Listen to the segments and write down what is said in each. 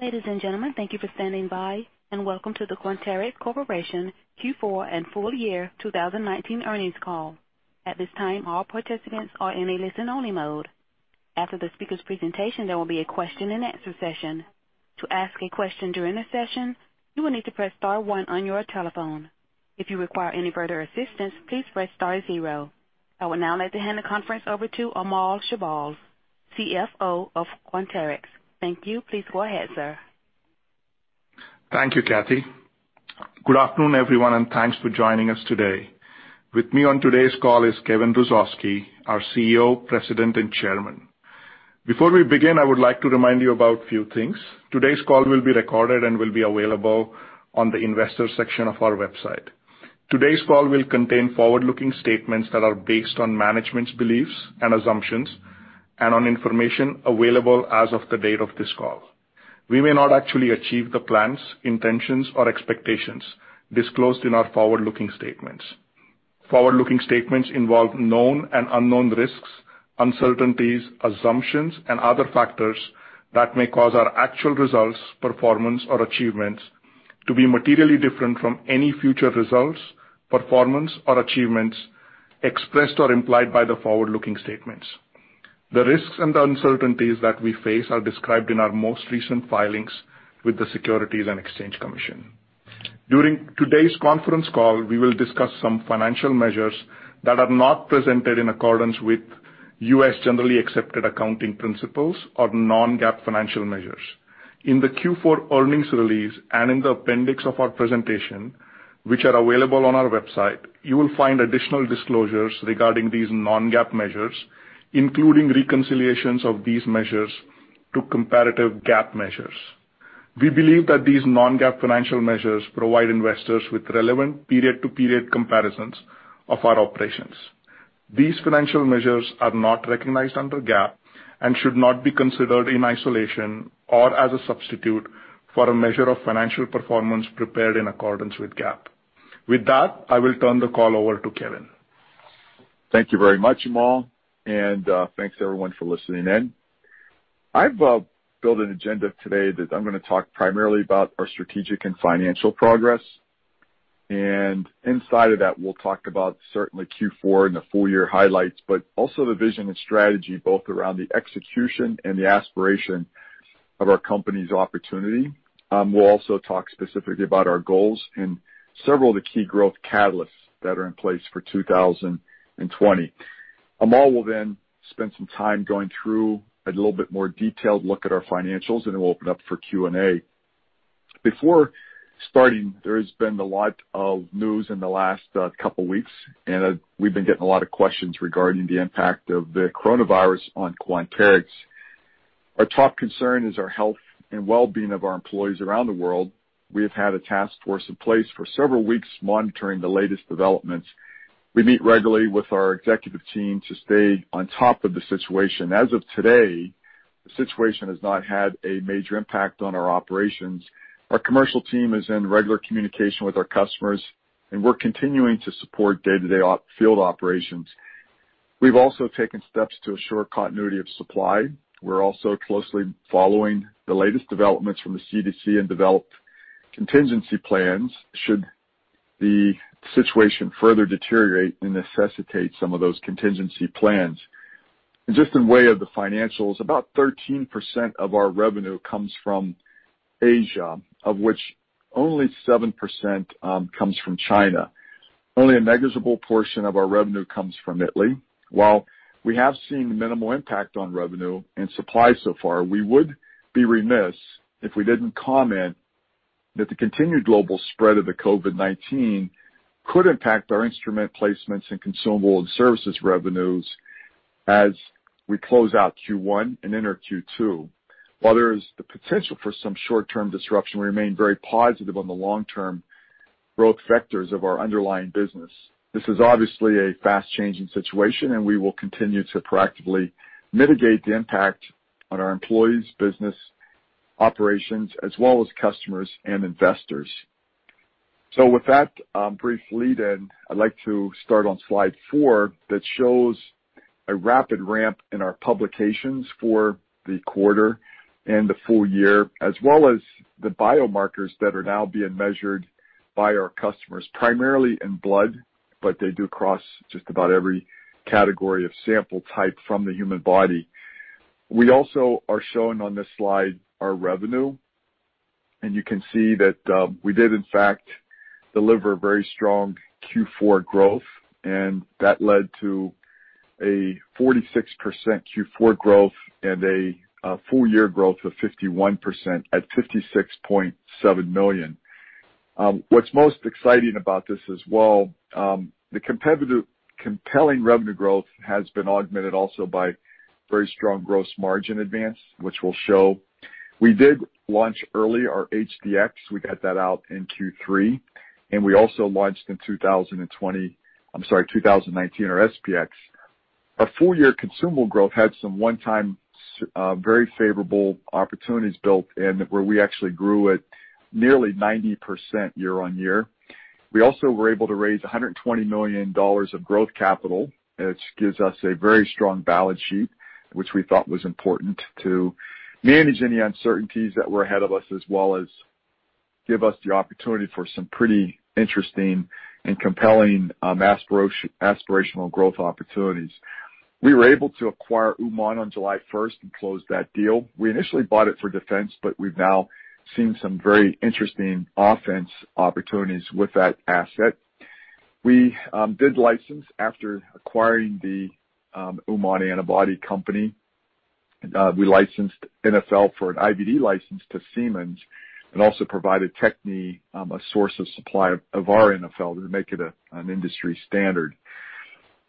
Ladies and gentlemen, thank you for standing by, and welcome to the Quanterix Corporation Q4 and full year 2019 earnings call. At this time, all participants are in a listen-only mode. After the speaker's presentation, there will be a question and answer session. To ask a question during the session, you will need to press star one on your telephone. If you require any further assistance, please Press Star zero. I would now like to hand the conference over to Amol Chaubal, CFO of Quanterix. Thank you. Please go ahead, sir. Thank you, Kathy. Good afternoon, everyone, and thanks for joining us today. With me on today's call is Kevin Hrusovsky, our CEO, President, and Chairman. Before we begin, I would like to remind you about a few things. Today's call will be recorded and will be available on the investor section of our website. Today's call will contain forward-looking statements that are based on management's beliefs and assumptions and on information available as of the date of this call. We may not actually achieve the plans, intentions, or expectations disclosed in our forward-looking statements. Forward-looking statements involve known and unknown risks, uncertainties, assumptions, and other factors that may cause our actual results, performance, or achievements to be materially different from any future results, performance, or achievements expressed or implied by the forward-looking statements. The risks and uncertainties that we face are described in our most recent filings with the Securities and Exchange Commission. During today's conference call, we will discuss some financial measures that are not presented in accordance with U.S. generally accepted accounting principles or non-GAAP financial measures. In the Q4 earnings release and in the appendix of our presentation, which are available on our website, you will find additional disclosures regarding these non-GAAP measures, including reconciliations of these measures to comparative GAAP measures. We believe that these non-GAAP financial measures provide investors with relevant period-to-period comparisons of our operations. These financial measures are not recognized under GAAP and should not be considered in isolation or as a substitute for a measure of financial performance prepared in accordance with GAAP. With that, I will turn the call over to Kevin. Thank you very much, Amol, thanks everyone for listening in. I've built an agenda today that I'm gonna talk primarily about our strategic and financial progress. Inside of that, we'll talk about certainly Q4 and the full-year highlights, but also the vision and strategy, both around the execution and the aspiration of our company's opportunity. We'll also talk specifically about our goals and several of the key growth catalysts that are in place for 2020. Amol will then spend some time going through a little bit more detailed look at our financials, and then we'll open up for Q&A. Before starting, there has been a lot of news in the last couple weeks, and we've been getting a lot of questions regarding the impact of the Coronavirus on Quanterix. Our top concern is our health and well-being of our employees around the world. We have had a task force in place for several weeks monitoring the latest developments. We meet regularly with our executive team to stay on top of the situation. As of today, the situation has not had a major impact on our operations. Our commercial team is in regular communication with our customers, and we're continuing to support day-to-day field operations. We've also taken steps to assure continuity of supply. We're also closely following the latest developments from the CDC and developed contingency plans should the situation further deteriorate and necessitate some of those contingency plans. Just in way of the financials, about 13% of our revenue comes from Asia, of which only 7% comes from China. Only a negligible portion of our revenue comes from Italy. While we have seen minimal impact on revenue and supply so far, we would be remiss if we didn't comment that the continued global spread of the COVID-19 could impact our instrument placements and consumable and services revenues as we close out Q1 and enter Q2. While there is the potential for some short-term disruption, we remain very positive on the long-term growth vectors of our underlying business. This is obviously a fast-changing situation, and we will continue to proactively mitigate the impact on our employees, business operations, as well as customers and investors. With that, brief lead in, I'd like to start on slide four that shows a rapid ramp in our publications for the quarter and the full year, as well as the biomarkers that are now being measured by our customers, primarily in blood, but they do cross just about every category of sample type from the human body. We also are showing on this slide our revenue, and you can see that, we did in fact deliver very strong Q4 growth, and that led to a 46% Q4 growth and a full-year growth of 51% at $56.7 million. What's most exciting about this as well, the competitive, compelling revenue growth has been augmented also by very strong gross margin advance, which we'll show. We did launch early our HD-X. We got that out in Q3. We also launched in 2019, our SP-X. Our full-year consumable growth had some one-time very favorable opportunities built in where we actually grew at nearly 90% year-on-year. We also were able to raise $120 million of growth capital, which gives us a very strong balance sheet, which we thought was important to manage any uncertainties that were ahead of us, as well as give us the opportunity for some pretty interesting and compelling aspirational growth opportunities. We were able to acquire Uman on July 1st and close that deal. We initially bought it for defense. We've now seen some very interesting offense opportunities with that asset. We did license after acquiring the Uman antibody company. We licensed NfL for an IVD license to Siemens and also provided Techne a source of supply of our NfL to make it an industry standard.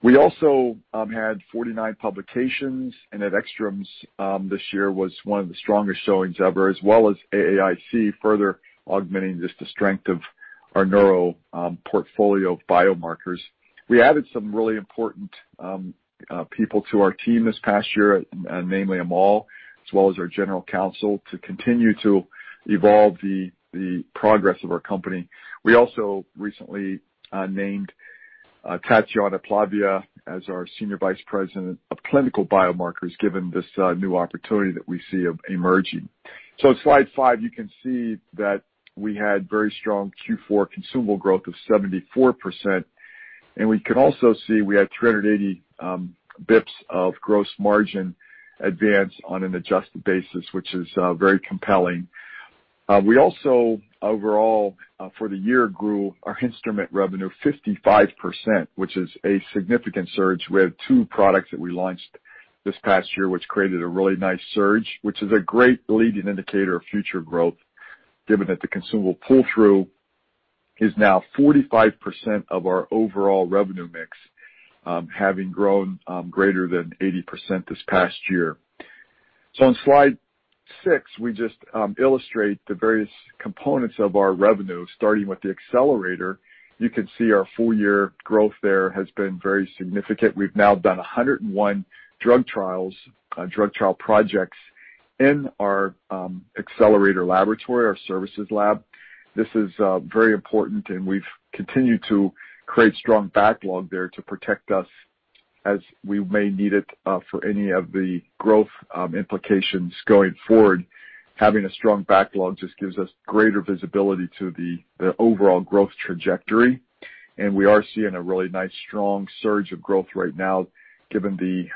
We also had 49 publications, and at Extremoes this year was one of the strongest showings ever, as well as AAIC, further augmenting just the strength of our neuro portfolio of biomarkers. We added some really important people to our team this past year, namely Amol, as well as our general counsel, to continue to evolve the progress of our company. We also recently named Tatiana Plavina as our senior vice president of clinical biomarkers, given this new opportunity that we see emerging. Slide five, you can see that we had very strong Q4 consumable growth of 74%, and we can also see we had 380 basis points of gross margin advance on an adjusted basis, which is very compelling. We also, overall, for the year, grew our instrument revenue 55%, which is a significant surge. We had two products that we launched this past year, which created a really nice surge, which is a great leading indicator of future growth given that the consumable pull-through is now 45% of our overall revenue mix, having grown greater than 80% this past year. On slide six, we just illustrate the various components of our revenue, starting with the accelerator. You can see our full-year growth there has been very significant. We've now done 101 drug trial projects in our accelerator laboratory, our services lab. This is very important and we've continued to create strong backlog there to protect us as we may need it for any of the growth implications going forward. Having a strong backlog just gives us greater visibility to the overall growth trajectory. We are seeing a really nice strong surge of growth right now, given the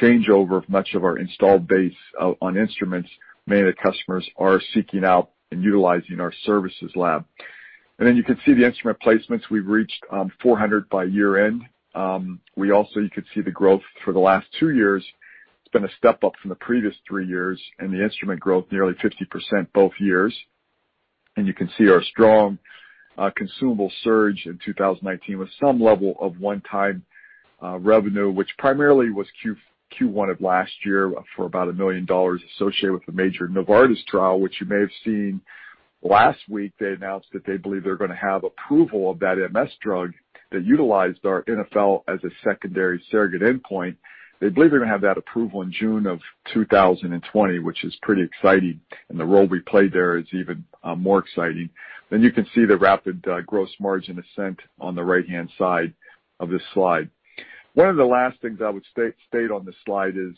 changeover of much of our installed base on instruments, many of the customers are seeking out and utilizing our services lab. You can see the instrument placements. We've reached 400 by year-end. You could see the growth for the last two years, it's been a step up from the previous three years, and the instrument growth nearly 50% both years. You can see our strong consumable surge in 2019 with some level of one-time revenue, which primarily was Q1 of last year for about $1 million associated with the major Novartis trial, which you may have seen last week. They announced that they believe they're going to have approval of that MS drug that utilized our NfL as a secondary surrogate endpoint. They believe they're going to have that approval in June of 2020, which is pretty exciting, and the role we played there is even more exciting. You can see the rapid gross margin ascent on the right-hand side of this slide. One of the last things I would state on this slide is,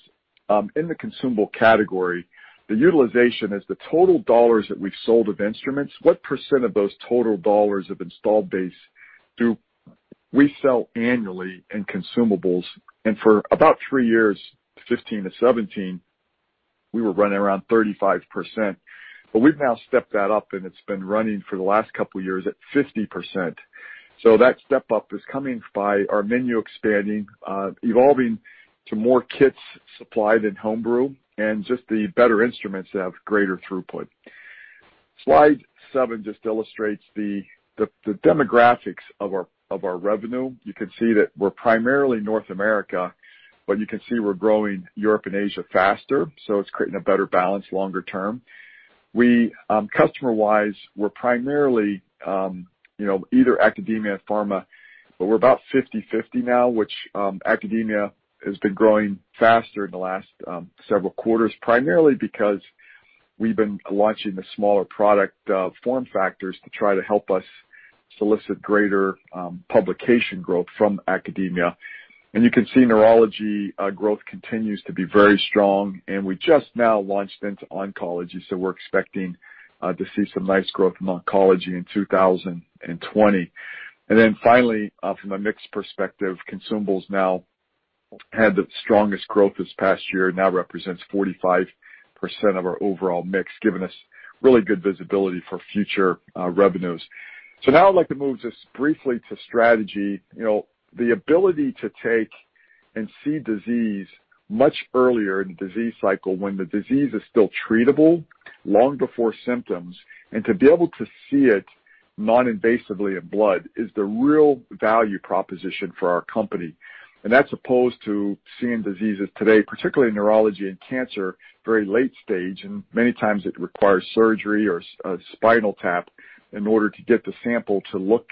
in the consumable category, the utilization is the total dollars that we've sold of instruments. What percent of those total dollars of installed base do we sell annually in consumables? For about three years, 2015-2017, we were running around 35%. We've now stepped that up, and it's been running for the last couple of years at 50%. That step-up is coming by our menu expanding, evolving to more kits supplied in home brew, and just the better instruments that have greater throughput. Slide seven just illustrates the demographics of our revenue. You can see that we're primarily North America, but you can see we're growing Europe and Asia faster, so it's creating a better balance longer term. Customer-wise, we're primarily either academia or pharma, but we're about 50/50 now, which academia has been growing faster in the last several quarters, primarily because we've been launching the smaller product form factors to try to help us solicit greater publication growth from academia. You can see neurology growth continues to be very strong, and we just now launched into oncology, so we're expecting to see some nice growth in oncology in 2020. Finally, from a mix perspective, consumables now had the strongest growth this past year, now represents 45% of our overall mix, giving us really good visibility for future revenues. Now I'd like to move just briefly to strategy. The ability to take and see disease much earlier in the disease cycle when the disease is still treatable, long before symptoms, and to be able to see it non-invasively in blood is the real value proposition for our company. That's opposed to seeing diseases today, particularly neurology and cancer, very late stage, and many times it requires surgery or a spinal tap in order to get the sample to look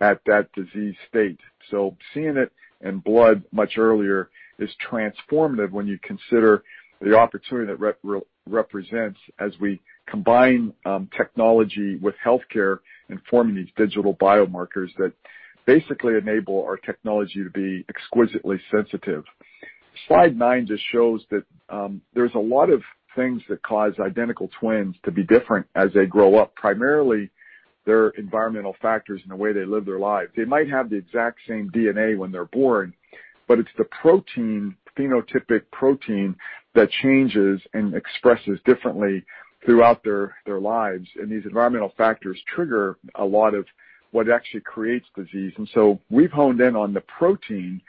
at that disease state. Seeing it in blood much earlier is transformative when you consider the opportunity that represents as we combine technology with healthcare and forming these digital biomarkers that basically enable our technology to be exquisitely sensitive. Slide nine just shows that there's a lot of things that cause identical twins to be different as they grow up, primarily, their environmental factors and the way they live their lives. They might have the exact same DNA when they're born, but it's the phenotypic protein that changes and expresses differently throughout their lives. These environmental factors trigger a lot of what actually creates disease. We've honed in on the protein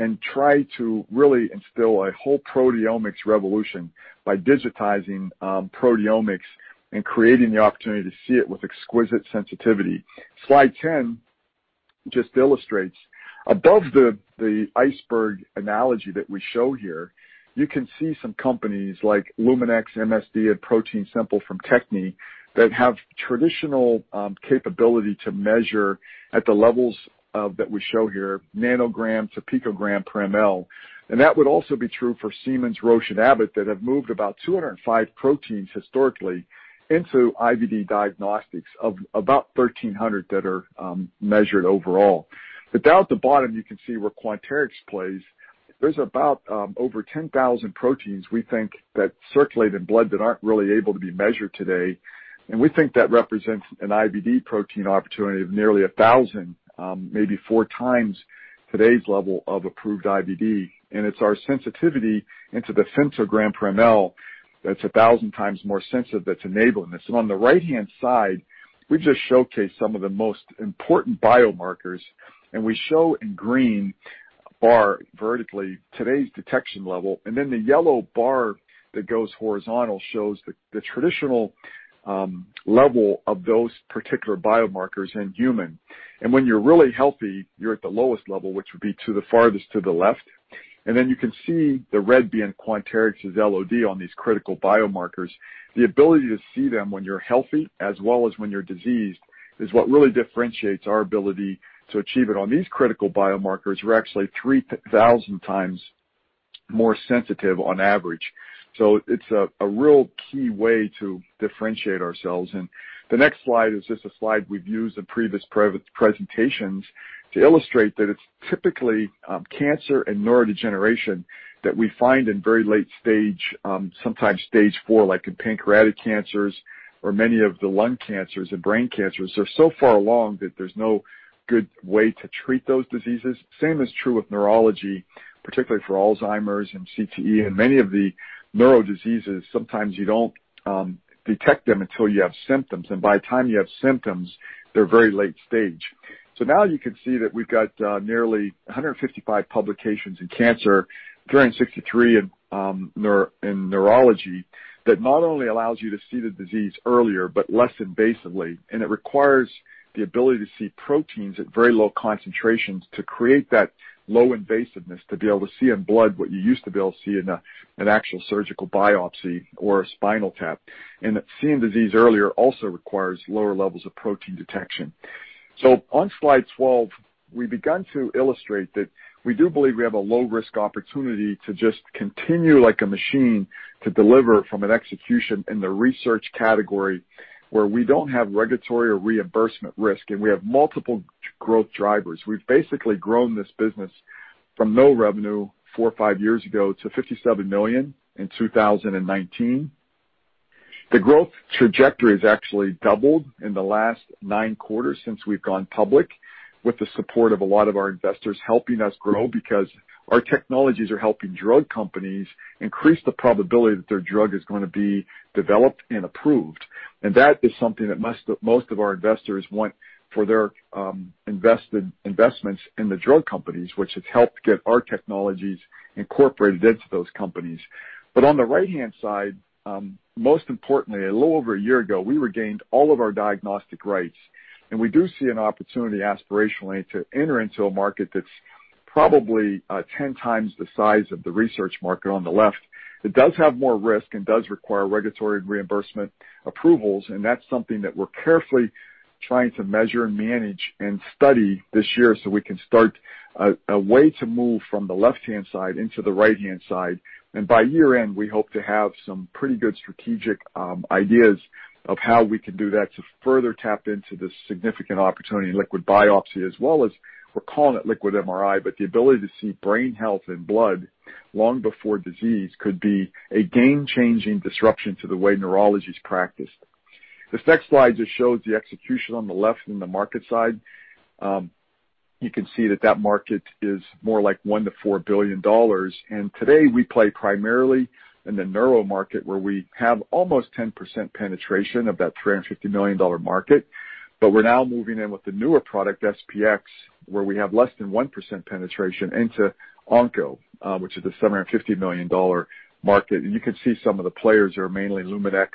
and tried to really instill a whole proteomics revolution by digitizing proteomics and creating the opportunity to see it with exquisite sensitivity. Slide 10 just illustrates above the iceberg analogy that we show here, you can see some companies like Luminex, MSD, and ProteinSimple from Techne that have traditional capability to measure at the levels that we show here, nanograms to picograms per mL. That would also be true for Siemens, Roche, and Abbott that have moved about 205 proteins historically into IVD diagnostics of about 1,300 that are measured overall. Down at the bottom, you can see where Quanterix plays. There's about over 10,000 proteins we think that circulate in blood that aren't really able to be measured today. We think that represents an IVD protein opportunity of nearly 1,000, maybe four times today's level of approved IVD. It's our sensitivity into the femtogram per mL that's 1,000x more sensitive that's enabling this. On the right-hand side, we've just showcased some of the most important biomarkers, and we show in green bar vertically today's detection level, and then the yellow bar that goes horizontal shows the traditional level of those particular biomarkers in human. When you're really healthy, you're at the lowest level, which would be to the farthest to the left. Then you can see the red being Quanterix's LOD on these critical biomarkers. The ability to see them when you're healthy as well as when you're diseased, is what really differentiates our ability to achieve it on these critical biomarkers. We're actually 3,000x more sensitive on average. It's a real key way to differentiate ourselves. The next slide is just a slide we've used in previous presentations to illustrate that it's typically cancer and neurodegeneration that we find in very late stage, sometimes stage four, like in pancreatic cancers or many of the lung cancers and brain cancers. They're so far along that there's no good way to treat those diseases. Same is true with neurology, particularly for Alzheimer's and CTE and many of the neuro diseases. Sometimes you don't detect them until you have symptoms, and by the time you have symptoms, they're very late stage. Now you can see that we've got nearly 155 publications in cancer, 363 in neurology that not only allows you to see the disease earlier, but less invasively. It requires the ability to see proteins at very low concentrations to create that low invasiveness to be able to see in blood what you used to be able to see in an actual surgical biopsy or a spinal tap. That seeing disease earlier also requires lower levels of protein detection. On slide 12, we've begun to illustrate that we do believe we have a low-risk opportunity to just continue like a machine to deliver from an execution in the research category where we don't have regulatory or reimbursement risk, and we have multiple growth drivers. We've basically grown this business from no revenue four or five years ago to $57 million in 2019. The growth trajectory has actually doubled in the last nine quarters since we've gone public with the support of a lot of our investors helping us grow because our technologies are helping drug companies increase the probability that their drug is going to be developed and approved. That is something that most of our investors want for their investments in the drug companies, which has helped get our technologies incorporated into those companies. On the right-hand side, most importantly, a little over a year ago, we regained all of our diagnostic rights, and we do see an opportunity aspirationally to enter into a market that's probably 10 times the size of the research market on the left. It does have more risk and does require regulatory and reimbursement approvals. That's something that we're carefully trying to measure and manage and study this year so we can start a way to move from the left-hand side into the right-hand side. By year-end, we hope to have some pretty good strategic ideas of how we can do that to further tap into this significant opportunity in liquid biopsy as well as we're calling it liquid MRI. The ability to see brain health in blood long before disease could be a game-changing disruption to the way neurology is practiced. This next slide just shows the execution on the left and the market side. You can see that that market is more like $1 billion-$4 billion. Today, we play primarily in the neuro market where we have almost 10% penetration of that $350 million market. We're now moving in with the newer product, SP-X, where we have less than 1% penetration into onco, which is a $750 million market. You can see some of the players are mainly Luminex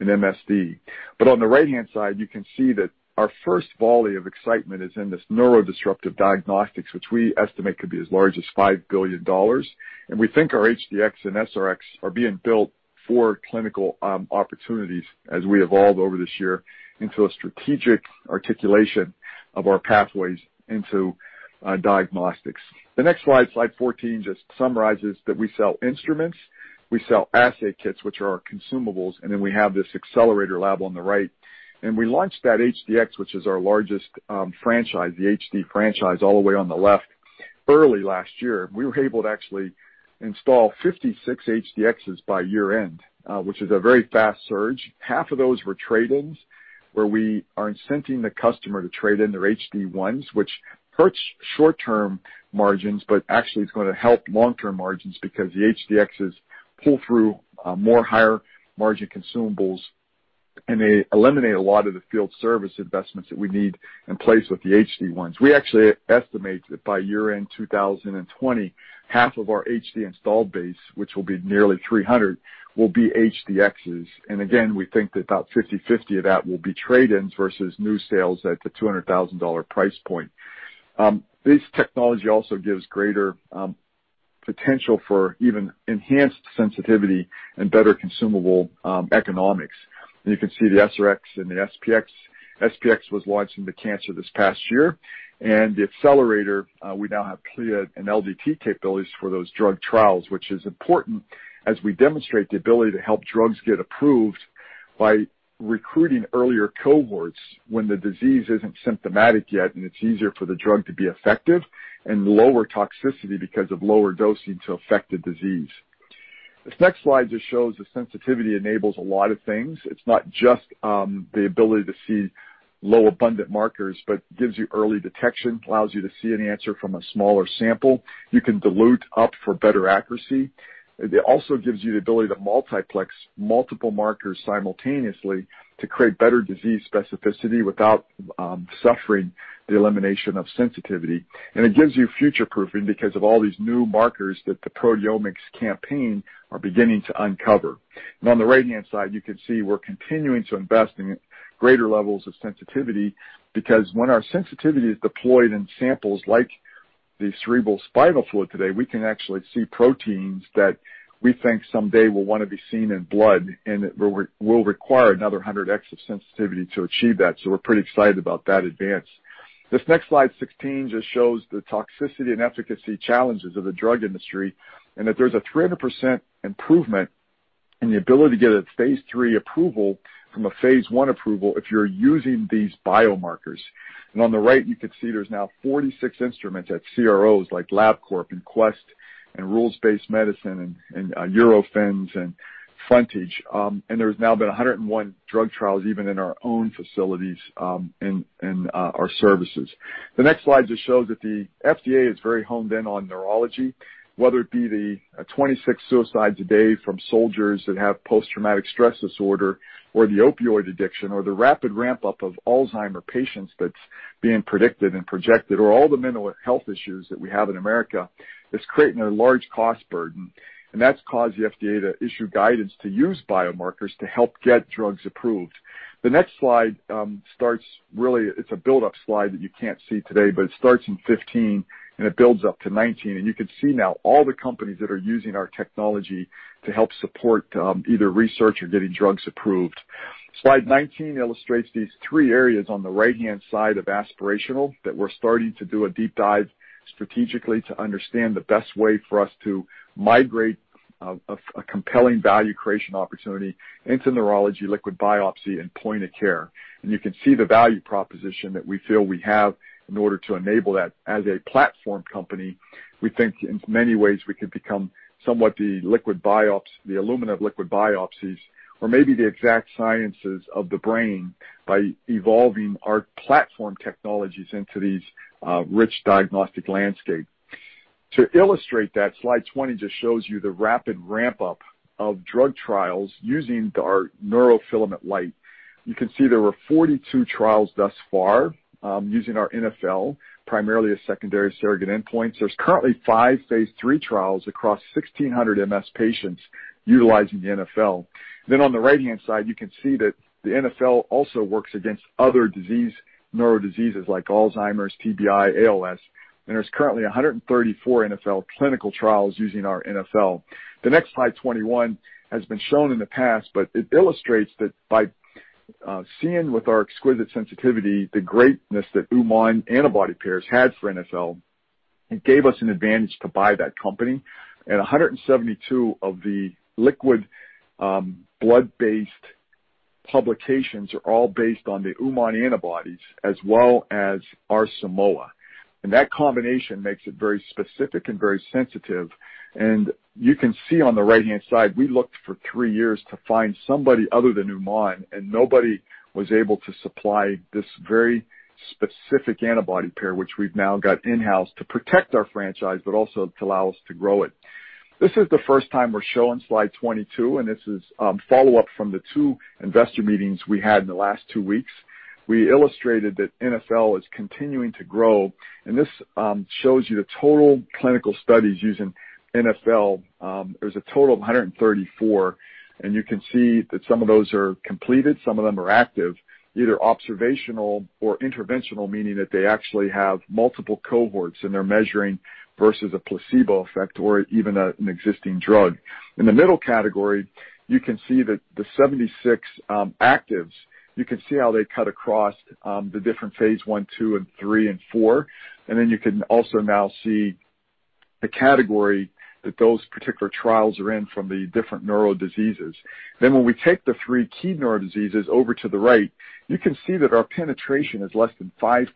and MSD. On the right-hand side, you can see that our first volley of excitement is in this neuro disruptive diagnostics, which we estimate could be as large as $5 billion. We think our HDx and SR-X are being built for clinical opportunities as we evolve over this year into a strategic articulation of our pathways into diagnostics. The next slide 14, just summarizes that we sell instruments, we sell assay kits, which are our consumables, and then we have this accelerator lab on the right. We launched that HDx, which is our largest franchise, the HD franchise, all the way on the left, early last year. We were able to actually install 56 HD-X by year-end, which is a very fast surge. Half of those were trade-ins, where we are incenting the customer to trade in their HD-1, which hurts short-term margins, but actually it's going to help long-term margins because the HD-X pull through more higher margin consumables, and they eliminate a lot of the field service investments that we need in place with the HD-1. We actually estimate that by year-end 2020, half of our HD install base, which will be nearly 300, will be HD-X. Again, we think that about 50/50 of that will be trade-ins versus new sales at the $200,000 price point. This technology also gives greater potential for even enhanced sensitivity and better consumable economics. You can see the SR-X and the SP-X. SP-X was launched into cancer this past year. The accelerator, we now have CLIA and LDT capabilities for those drug trials, which is important as we demonstrate the ability to help drugs get approved by recruiting earlier cohorts when the disease isn't symptomatic yet and it's easier for the drug to be effective and lower toxicity because of lower dosing to affect the disease. This next slide just shows the sensitivity enables a lot of things. It's not just the ability to see low abundant markers, but gives you early detection, allows you to see an answer from a smaller sample. You can dilute up for better accuracy. It also gives you the ability to multiplex multiple markers simultaneously to create better disease specificity without suffering the elimination of sensitivity. It gives you future-proofing because of all these new markers that the proteomics campaign are beginning to uncover. On the right-hand side, you can see we're continuing to invest in greater levels of sensitivity because when our sensitivity is deployed in samples like the cerebrospinal fluid today, we can actually see proteins that we think someday will want to be seen in blood, and it will require another 100x of sensitivity to achieve that. We're pretty excited about that advance. This next slide, 16, just shows the toxicity and efficacy challenges of the drug industry, and that there's a 300% improvement in the ability to get a phase III approval from a phase I approval if you're using these biomarkers. On the right, you can see there's now 46 instruments at CROs like LabCorp and Quest and Rules-Based Medicine and Eurofins and Frontage. There's now been 101 drug trials even in our own facilities and our services. The next slide just shows that the FDA is very honed in on neurology. Whether it be the 26 suicides a day from soldiers that have post-traumatic stress disorder or the opioid addiction or the rapid ramp-up of Alzheimer patients that's being predicted and projected or all the mental health issues that we have in America, it's creating a large cost burden. That's caused the FDA to issue guidance to use biomarkers to help get drugs approved. The next slide starts really, it's a build-up slide that you can't see today, but it starts in 2015 and it builds up to 2019, you can see now all the companies that are using our technology to help support either research or getting drugs approved. Slide 19 illustrates these three areas on the right-hand side of aspirational that we're starting to do a deep dive strategically to understand the best way for us to migrate a compelling value creation opportunity into neurology, liquid biopsy, and point of care. You can see the value proposition that we feel we have in order to enable that. As a platform company, we think in many ways we could become somewhat the Illumina of liquid biopsies or maybe the Exact Sciences of the brain by evolving our platform technologies into these rich diagnostic landscape. To illustrate that, slide 20 just shows you the rapid ramp-up of drug trials using our neurofilament light. You can see there were 42 trials thus far using our NfL, primarily as secondary surrogate endpoints. There's currently 5 phase III trials across 1,600 MS patients utilizing the NfL. On the right-hand side, you can see that the NfL also works against other neurodiseases like Alzheimer's, TBI, ALS, and there's currently 134 NfL clinical trials using our NfL. The next slide 21 has been shown in the past, it illustrates that by seeing with our exquisite sensitivity, the greatness that UMAN antibody pairs had for NfL, it gave us an advantage to buy that company. 172 of the liquid blood-based publications are all based on the UMAN antibodies as well as our Simoa. That combination makes it very specific and very sensitive. You can see on the right-hand side, we looked for three years to find somebody other than UMAN, nobody was able to supply this very specific antibody pair, which we've now got in-house to protect our franchise, also to allow us to grow it. This is the first time we're showing slide 22. This is follow-up from the two investor meetings we had in the last two weeks. We illustrated that NfL is continuing to grow. This shows you the total clinical studies using NfL. There's a total of 134. You can see that some of those are completed, some of them are active, either observational or interventional, meaning that they actually have multiple cohorts, and they're measuring versus a placebo effect or even an existing drug. In the middle category, you can see that the 76 actives, you can see how they cut across the different phase I, II, and III, and IV. You can also now see the category that those particular trials are in from the different neuro diseases. When we take the three key neuro diseases over to the right, you can see that our penetration is less than 5%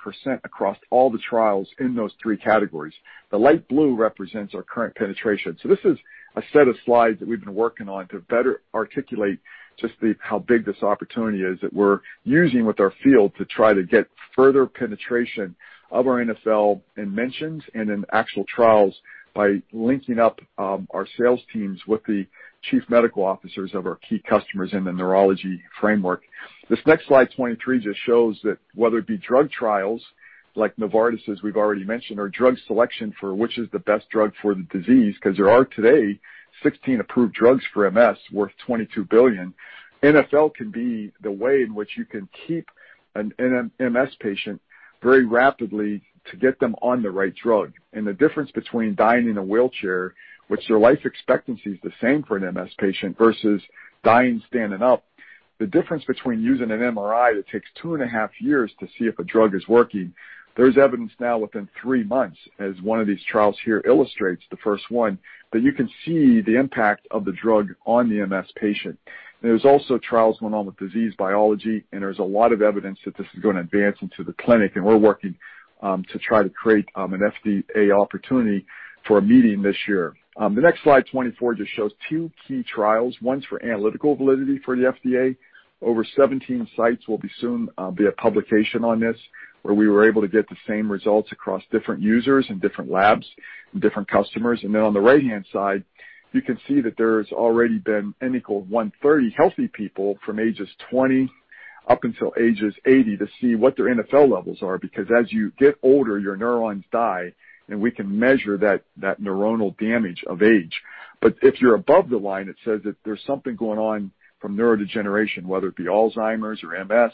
across all the trials in those three categories. The light blue represents our current penetration. This is a set of slides that we've been working on to better articulate just how big this opportunity is, that we're using with our field to try to get further penetration of our NfL in mentions and in actual trials by linking up our sales teams with the chief medical officers of our key customers in the neurology framework. This next slide, 23, just shows that whether it be drug trials like Novartis's, we've already mentioned, or drug selection for which is the best drug for the disease, because there are today 16 approved drugs for MS, worth $22 billion. NfL can be the way in which you can keep an MS patient very rapidly to get them on the right drug. The difference between dying in a wheelchair, which their life expectancy is the same for an MS patient versus dying standing up. The difference between using an MRI that takes 2.5 years to see if a drug is working, there's evidence now within three months, as one of these trials here illustrates, the first one, that you can see the impact of the drug on the MS patient. There's also trials going on with disease biology, and there's a lot of evidence that this is going to advance into the clinic, and we're working to try to create an FDA opportunity for a meeting this year. The next slide, 24, just shows two key trials. One's for analytical validity for the FDA. Over 17 sites will soon be a publication on this, where we were able to get the same results across different users and different labs and different customers. On the right-hand side, you can see that there's already been N equal 130 healthy people from ages 20 up until ages 80 to see what their NfL levels are, because as you get older, your neurons die, and we can measure that neuronal damage of age. If you're above the line, it says that there's something going on from neurodegeneration, whether it be Alzheimer's or MS,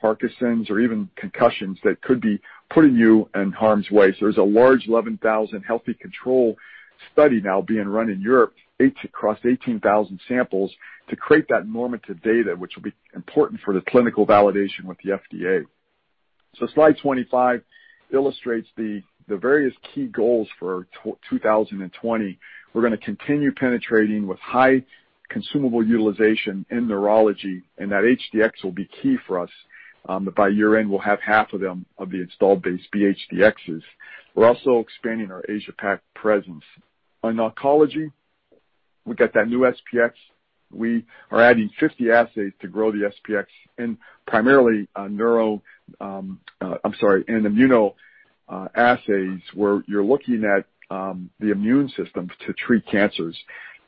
Parkinson's, or even concussions, that could be putting you in harm's way. There's a large 11,000 healthy control study now being run in Europe across 18,000 samples to create that normative data, which will be important for the clinical validation with the FDA. Slide 25 illustrates the various key goals for 2020. We're going to continue penetrating with high consumable utilization in neurology, and that HDX will be key for us. By year-end, we'll have half of the installed base be HD-Xs. We're also expanding our Asia Pac presence. In oncology, we got that new SP-X. We are adding 50 assays to grow the SP-X in primarily in immunoassays, where you're looking at the immune system to treat cancers,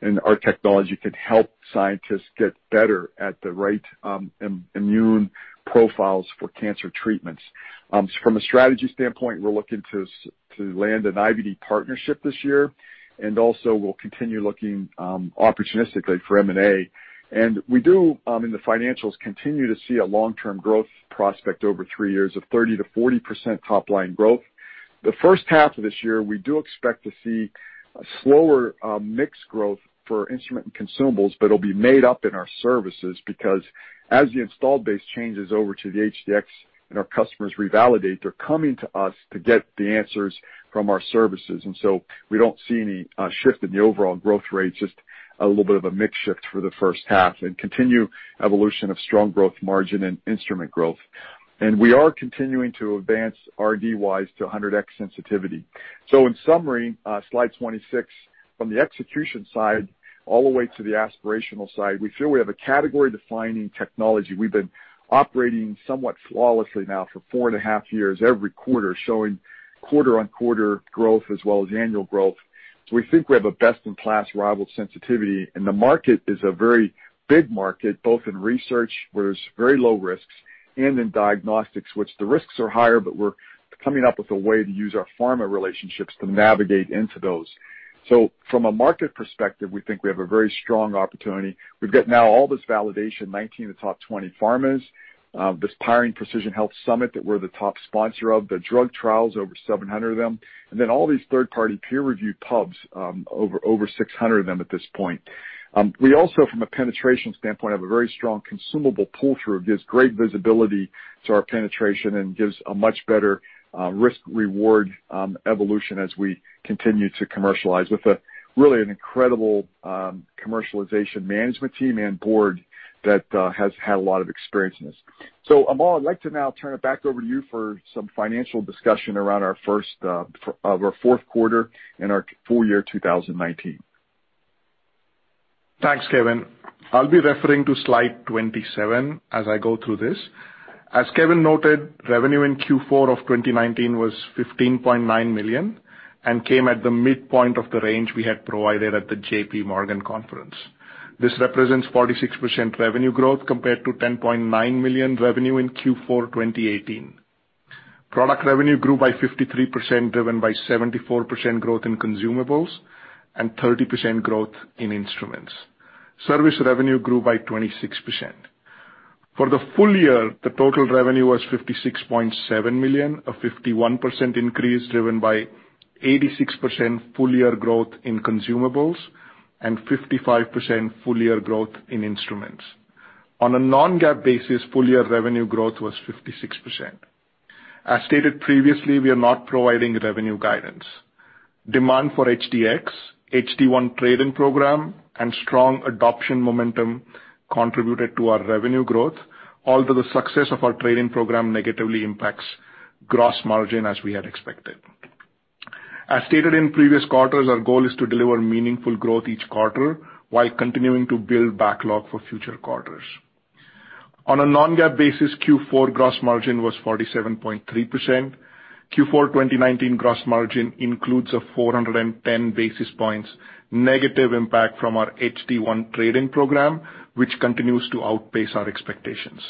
and our technology can help scientists get better at the right immune profiles for cancer treatments. From a strategy standpoint, we're looking to land an IVD partnership this year, and also we'll continue looking opportunistically for M&A. We do, in the financials, continue to see a long-term growth prospect over three years of 30%-40% top-line growth. The first half of this year, we do expect to see a slower mix growth for instrument and consumables. It'll be made up in our services because as the installed base changes over to the HD-X and our customers revalidate, they're coming to us to get the answers from our services. We don't see any shift in the overall growth rate, just a little bit of a mix shift for the first half and continue evolution of strong growth margin and instrument growth. We are continuing to advance RD wise to 100x sensitivity. In summary, slide 26, from the execution side all the way to the aspirational side, we feel we have a category-defining technology. We've been operating somewhat flawlessly now for four and a half years, every quarter, showing quarter-on-quarter growth as well as annual growth. We think we have a best-in-class rival sensitivity. The market is a very big market, both in research, where there's very low risks, and in diagnostics, which the risks are higher, but we're coming up with a way to use our pharma relationships to navigate into those. From a market perspective, we think we have a very strong opportunity. We've got now all this validation, 19 of the top 20 pharmas, this Powering Precision Health Summit that we're the top sponsor of, the drug trials, over 700 of them, and then all these third-party peer-reviewed pubs, over 600 of them at this point. We also, from a penetration standpoint, have a very strong consumable pull-through, gives great visibility to our penetration and gives a much better risk-reward evolution as we continue to commercialize with a really incredible commercialization management team and board that has had a lot of experience in this. Amol, I'd like to now turn it back over to you for some financial discussion around our fourth quarter and our full year 2019. Thanks, Kevin. I'll be referring to slide 27 as I go through this. As Kevin noted, revenue in Q4 of 2019 was $15.9 million and came at the midpoint of the range we had provided at the JP Morgan conference. This represents 46% revenue growth compared to $10.9 million revenue in Q4 2018. Product revenue grew by 53%, driven by 74% growth in consumables and 30% growth in instruments. Service revenue grew by 26%. For the full year, the total revenue was $56.7 million, a 51% increase driven by 86% full-year growth in consumables and 55% full-year growth in instruments. On a non-GAAP basis, full-year revenue growth was 56%. As stated previously, we are not providing revenue guidance. Demand for HD-X, HD-1 trade-in program, and strong adoption momentum contributed to our revenue growth, although the success of our trade-in program negatively impacts gross margin as we had expected. As stated in previous quarters, our goal is to deliver meaningful growth each quarter while continuing to build backlog for future quarters. On a non-GAAP basis, Q4 gross margin was 47.3%. Q4 2019 gross margin includes a 410 basis points negative impact from our HD-1 trade-in program, which continues to outpace our expectations.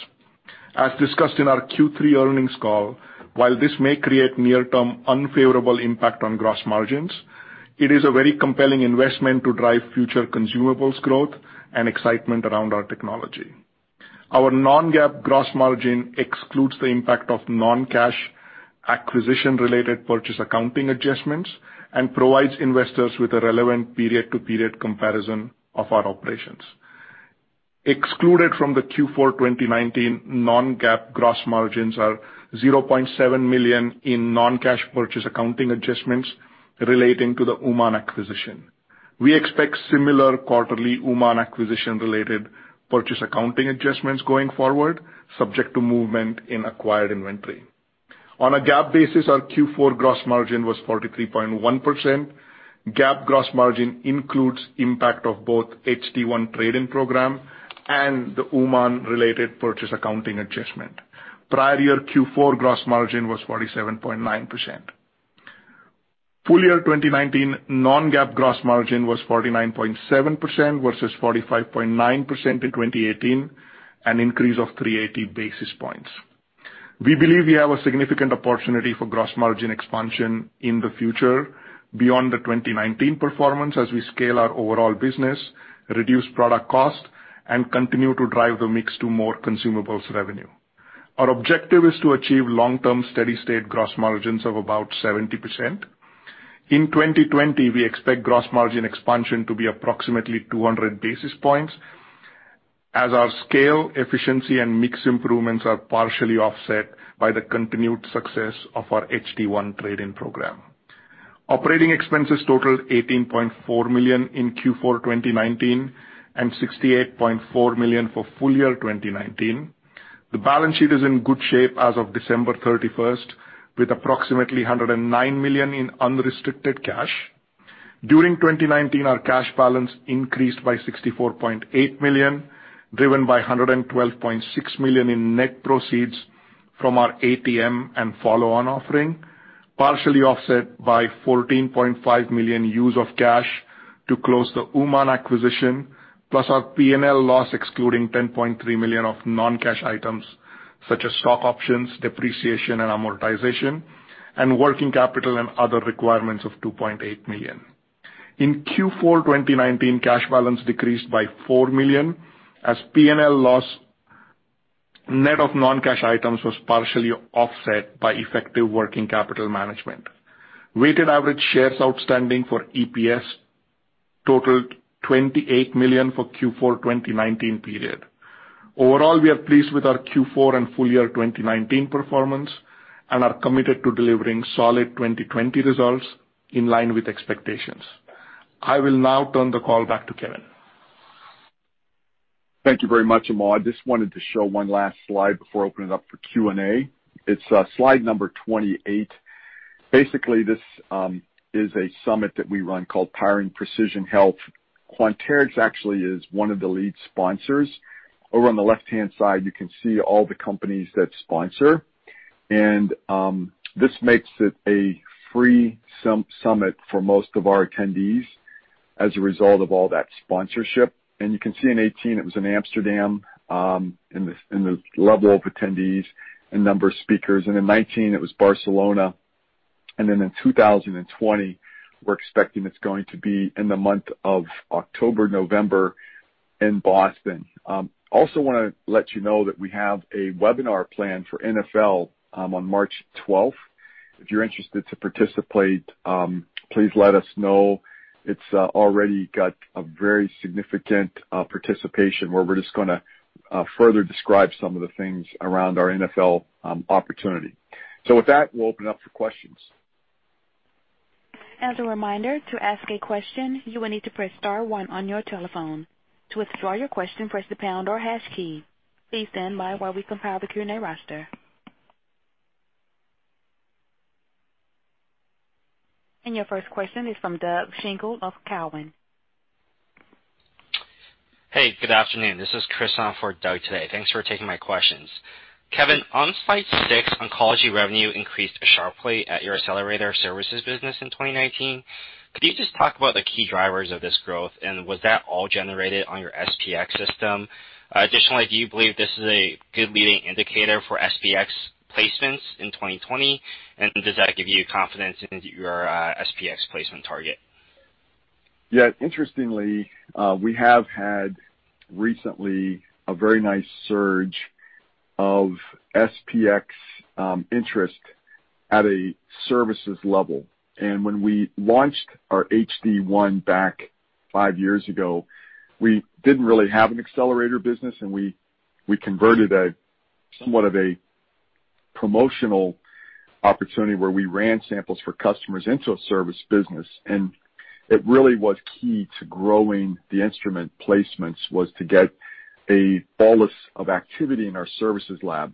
As discussed in our Q3 earnings call, while this may create near-term unfavorable impact on gross margins, it is a very compelling investment to drive future consumables growth and excitement around our technology. Our non-GAAP gross margin excludes the impact of non-cash acquisition-related purchase accounting adjustments and provides investors with a relevant period-to-period comparison of our operations. Excluded from the Q4 2019 non-GAAP gross margins are $0.7 million in non-cash purchase accounting adjustments relating to the Uman acquisition. We expect similar quarterly Uman acquisition-related purchase accounting adjustments going forward, subject to movement in acquired inventory. On a GAAP basis, our Q4 gross margin was 43.1%. GAAP gross margin includes impact of both HD-1 trade-in program and the Uman-related purchase accounting adjustment. Prior year Q4 gross margin was 47.9%. Full year 2019 non-GAAP gross margin was 49.7% versus 45.9% in 2018, an increase of 380 basis points. We believe we have a significant opportunity for gross margin expansion in the future beyond the 2019 performance as we scale our overall business, reduce product cost, and continue to drive the mix to more consumables revenue. Our objective is to achieve long-term steady state gross margins of about 70%. In 2020, we expect gross margin expansion to be approximately 200 basis points as our scale, efficiency, and mix improvements are partially offset by the continued success of our HD-1 trade-in program. Operating expenses totaled $18.4 million in Q4 2019 and $68.4 million for full year 2019. The balance sheet is in good shape as of December 31st, with approximately $109 million in unrestricted cash. During 2019, our cash balance increased by $64.8 million, driven by $112.6 million in net proceeds from our ATM and follow-on offering, partially offset by $14.5 million use of cash to close the Uman acquisition, plus our P&L loss excluding $10.3 million of non-cash items such as stock options, depreciation and amortization, and working capital and other requirements of $2.8 million. In Q4 2019, cash balance decreased by $4 million as P&L loss net of non-cash items was partially offset by effective working capital management. Weighted average shares outstanding for EPS totaled $28 million for Q4 2019 period. Overall, we are pleased with our Q4 and full year 2019 performance and are committed to delivering solid 2020 results in line with expectations. I will now turn the call back to Kevin. Thank you very much, Amol. Just wanted to show one last slide before opening up for Q&A. It's slide number 28. Basically, this is a summit that we run called Powering Precision Health. Quanterix actually is one of the lead sponsors. Over on the left-hand side, you can see all the companies that sponsor. This makes it a free summit for most of our attendees as a result of all that sponsorship. You can see in 2018, it was in Amsterdam, and the level of attendees and number of speakers. In 2019, it was Barcelona. In 2020, we're expecting it's going to be in the month of October, November in Boston. Also want to let you know that we have a webinar planned for NfL on March 12th. If you're interested to participate, please let us know. It's already got a very significant participation where we're just going to further describe some of the things around our NfL opportunity. With that, we'll open up for questions. As a reminder, to ask a question, you will need to press star one on your telephone. To withdraw your question, press the pound or hash key. Please stand by while we compile the Q&A roster. Your first question is from Doug Schenkel of Cowen. Hey, good afternoon. This is Chris on for Doug today. Thanks for taking my questions. Kevin, on slide six, oncology revenue increased sharply at your accelerator services business in 2019. Could you just talk about the key drivers of this growth, and was that all generated on your SP-X system? Additionally, do you believe this is a good leading indicator for SP-X placements in 2020? Does that give you confidence in your SP-X placement target? Yeah. Interestingly, we have had recently a very nice surge of SP-X interest at a services level. When we launched our HD-1 back five years ago, we didn't really have an accelerator business, and we converted somewhat of a promotional opportunity where we ran samples for customers into a service business. It really was key to growing the instrument placements, was to get a ball of activity in our services lab.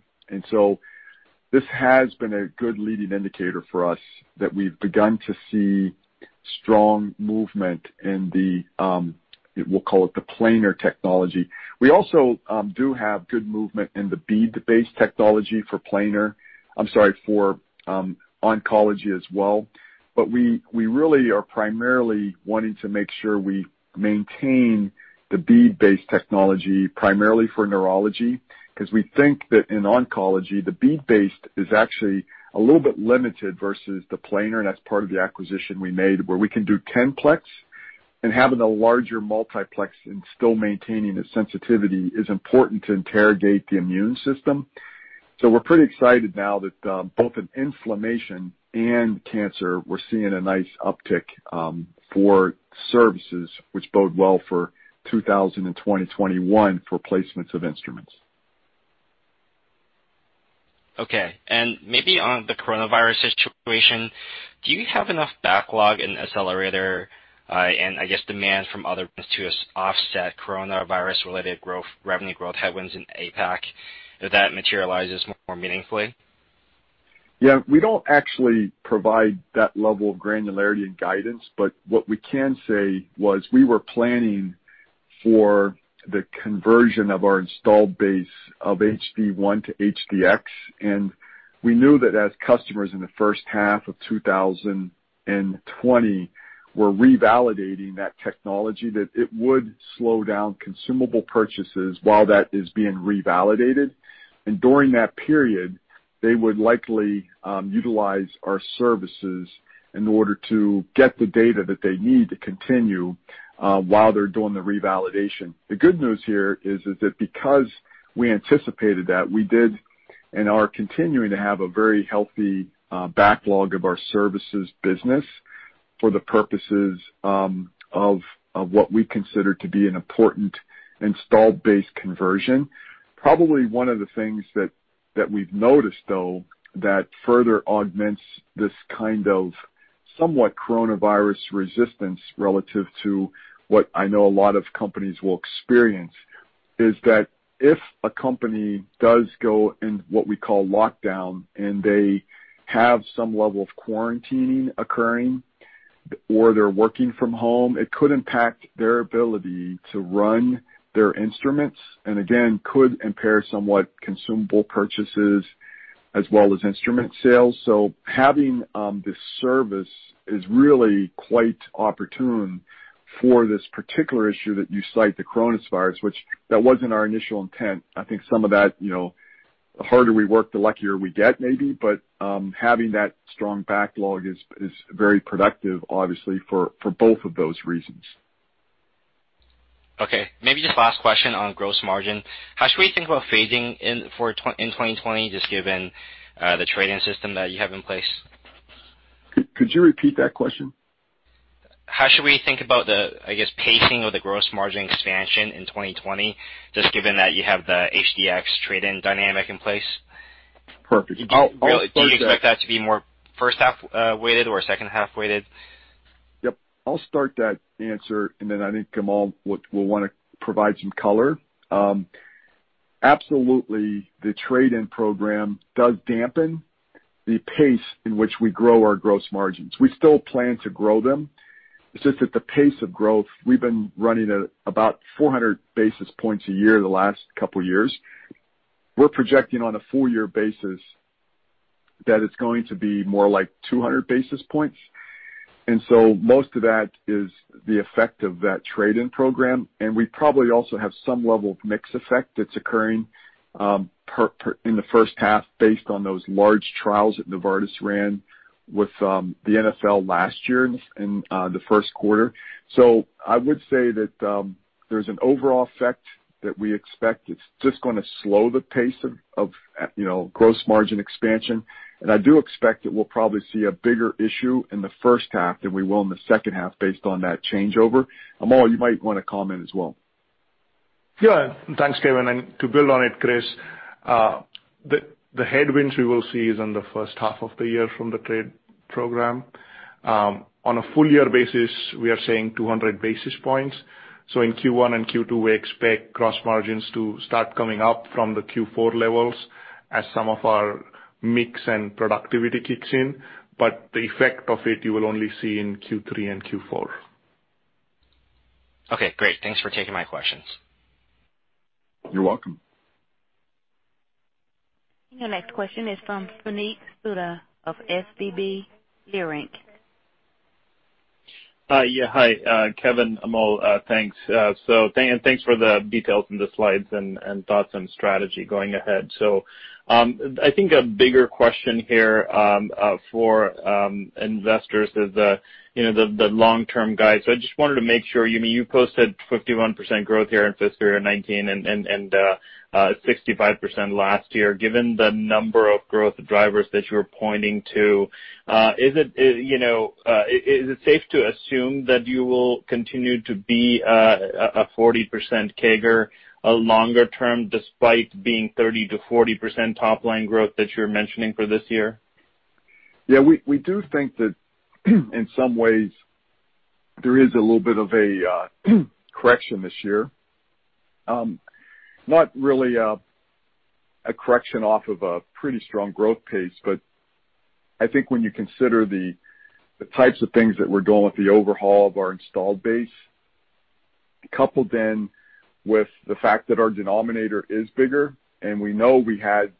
This has been a good leading indicator for us that we've begun to see strong movement in the, we'll call it the planar technology. We also do have good movement in the bead-based technology for planar. I'm sorry, for oncology as well. We really are primarily wanting to make sure we maintain the bead-based technology primarily for neurology, because we think that in oncology, the bead-based is actually a little bit limited versus the planar, and that's part of the acquisition we made where we can do 10-plex and having a larger multiplex and still maintaining the sensitivity is important to interrogate the immune system. We're pretty excited now that both in inflammation and cancer, we're seeing a nice uptick for services which bode well for 2020, 2021 for placements of instruments. Okay. Maybe on the coronavirus situation, do you have enough backlog in accelerator and, I guess, demand from other to offset coronavirus-related revenue growth headwinds in APAC if that materializes more meaningfully? Yeah. We don't actually provide that level of granularity and guidance, but what we can say was we were planning for the conversion of our installed base of HD-1 to HD-X, and we knew that as customers in the first half of 2020 were revalidating that technology, that it would slow down consumable purchases while that is being revalidated. During that period, they would likely utilize our services in order to get the data that they need to continue while they're doing the revalidation. The good news here is that because we anticipated that, we did and are continuing to have a very healthy backlog of our services business for the purposes of what we consider to be an important installed base conversion. Probably one of the things that we've noticed, though, that further augments this kind of somewhat coronavirus resistance relative to what I know a lot of companies will experience is that if a company does go in what we call lockdown and they have some level of quarantining occurring or they're working from home, it could impact their ability to run their instruments and again, could impair somewhat consumable purchases as well as instrument sales. Having this service is really quite opportune for this particular issue that you cite, the coronavirus, which that wasn't our initial intent. I think some of that, the harder we work, the luckier we get maybe. Having that strong backlog is very productive, obviously, for both of those reasons. Okay. Maybe just last question on gross margin. How should we think about phasing in 2020, just given the trading system that you have in place? Could you repeat that question? How should we think about the, I guess, pacing of the gross margin expansion in 2020, just given that you have the HD-X trade-in dynamic in place? Perfect. I'll start. Do you expect that to be more first half weighted or second half weighted? Yep. I'll start that answer and then I think Amol will want to provide some color. Absolutely, the trade-in program does dampen the pace in which we grow our gross margins. We still plan to grow them. It's just that the pace of growth, we've been running at about 400 basis points a year the last couple years. We're projecting on a full year basis that it's going to be more like 200 basis points. Most of that is the effect of that trade-in program. We probably also have some level of mix effect that's occurring in the first half based on those large trials that Novartis ran with the NfL last year in the first quarter. I would say that there's an overall effect that we expect. It's just going to slow the pace of gross margin expansion. I do expect that we'll probably see a bigger issue in the first half than we will in the second half based on that changeover. Amol, you might want to comment as well. Yeah. Thanks, Kevin. To build on it, Chris, the headwinds we will see is in the first half of the year from the trade program. On a full year basis, we are saying 200 basis points. In Q1 and Q2, we expect gross margins to start coming up from the Q4 levels as some of our mix and productivity kicks in. The effect of it you will only see in Q3 and Q4. Okay, great. Thanks for taking my questions. You're welcome. Your next question is from Puneet Souda of SVB Leerink. Hi, Kevin, Amol. Thanks. Thanks for the details in the slides and thoughts on strategy going ahead. I think a bigger question here for investors is the long-term guide. I just wanted to make sure, you posted 51% growth here in fiscal year 2019 and 65% last year. Given the number of growth drivers that you're pointing to, is it safe to assume that you will continue to be a 40% CAGR longer term, despite being 30%-40% top-line growth that you're mentioning for this year? Yeah, we do think that in some ways there is a little bit of a correction this year. Not really a correction off of a pretty strong growth pace, but I think when you consider the types of things that we're doing with the overhaul of our installed base, coupled then with the fact that our denominator is bigger and we know we had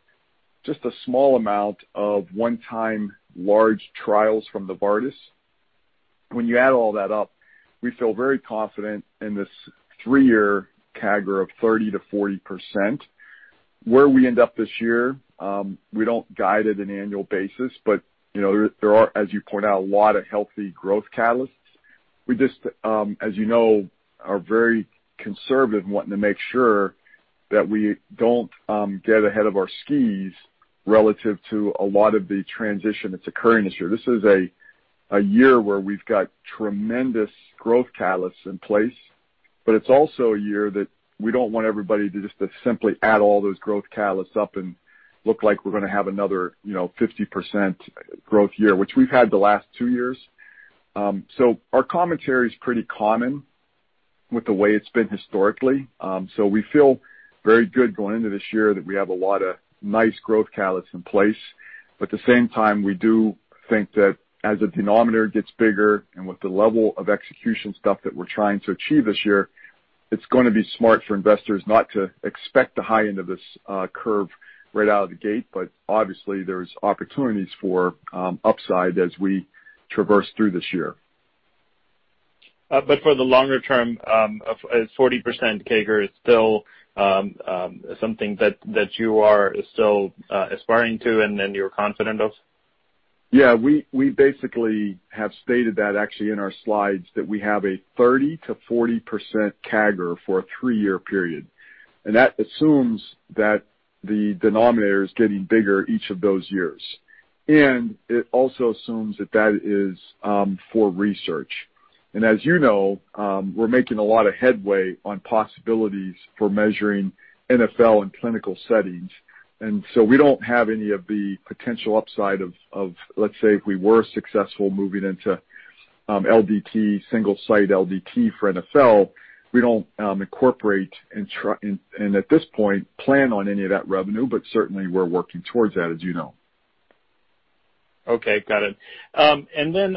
just a small amount of one-time large trials from the Bardis. When you add all that up, we feel very confident in this three-year CAGR of 30%-40%. Where we end up this year, we don't guide at an annual basis, but there are, as you point out, a lot of healthy growth catalysts. We just, as you know, are very conservative in wanting to make sure that we don't get ahead of our skis relative to a lot of the transition that is occurring this year. This is a year where we've got tremendous growth catalysts in place, but it is also a year that we don't want everybody to just simply add all those growth catalysts up and look like we're going to have another 50% growth year, which we've had the last two years. Our commentary is pretty common with the way it's been historically. We feel very good going into this year that we have a lot of nice growth catalysts in place. At the same time, we do think that as the denominator gets bigger and with the level of execution stuff that we're trying to achieve this year, it's going to be smart for investors not to expect the high end of this curve right out of the gate. Obviously, there's opportunities for upside as we traverse through this year. For the longer term, a 40% CAGR is still something that you are still aspiring to and you're confident of? Yeah. We basically have stated that actually in our slides, that we have a 30%-40% CAGR for a three year period. That assumes that the denominator is getting bigger each of those years. It also assumes that that is for research. As you know, we're making a lot of headway on possibilities for measuring NfL in clinical settings. We don't have any of the potential upside of, let's say, if we were successful moving into LDT, single-site LDT for NfL. We don't incorporate, and at this point, plan on any of that revenue. Certainly we're working towards that, as you know. Okay, got it.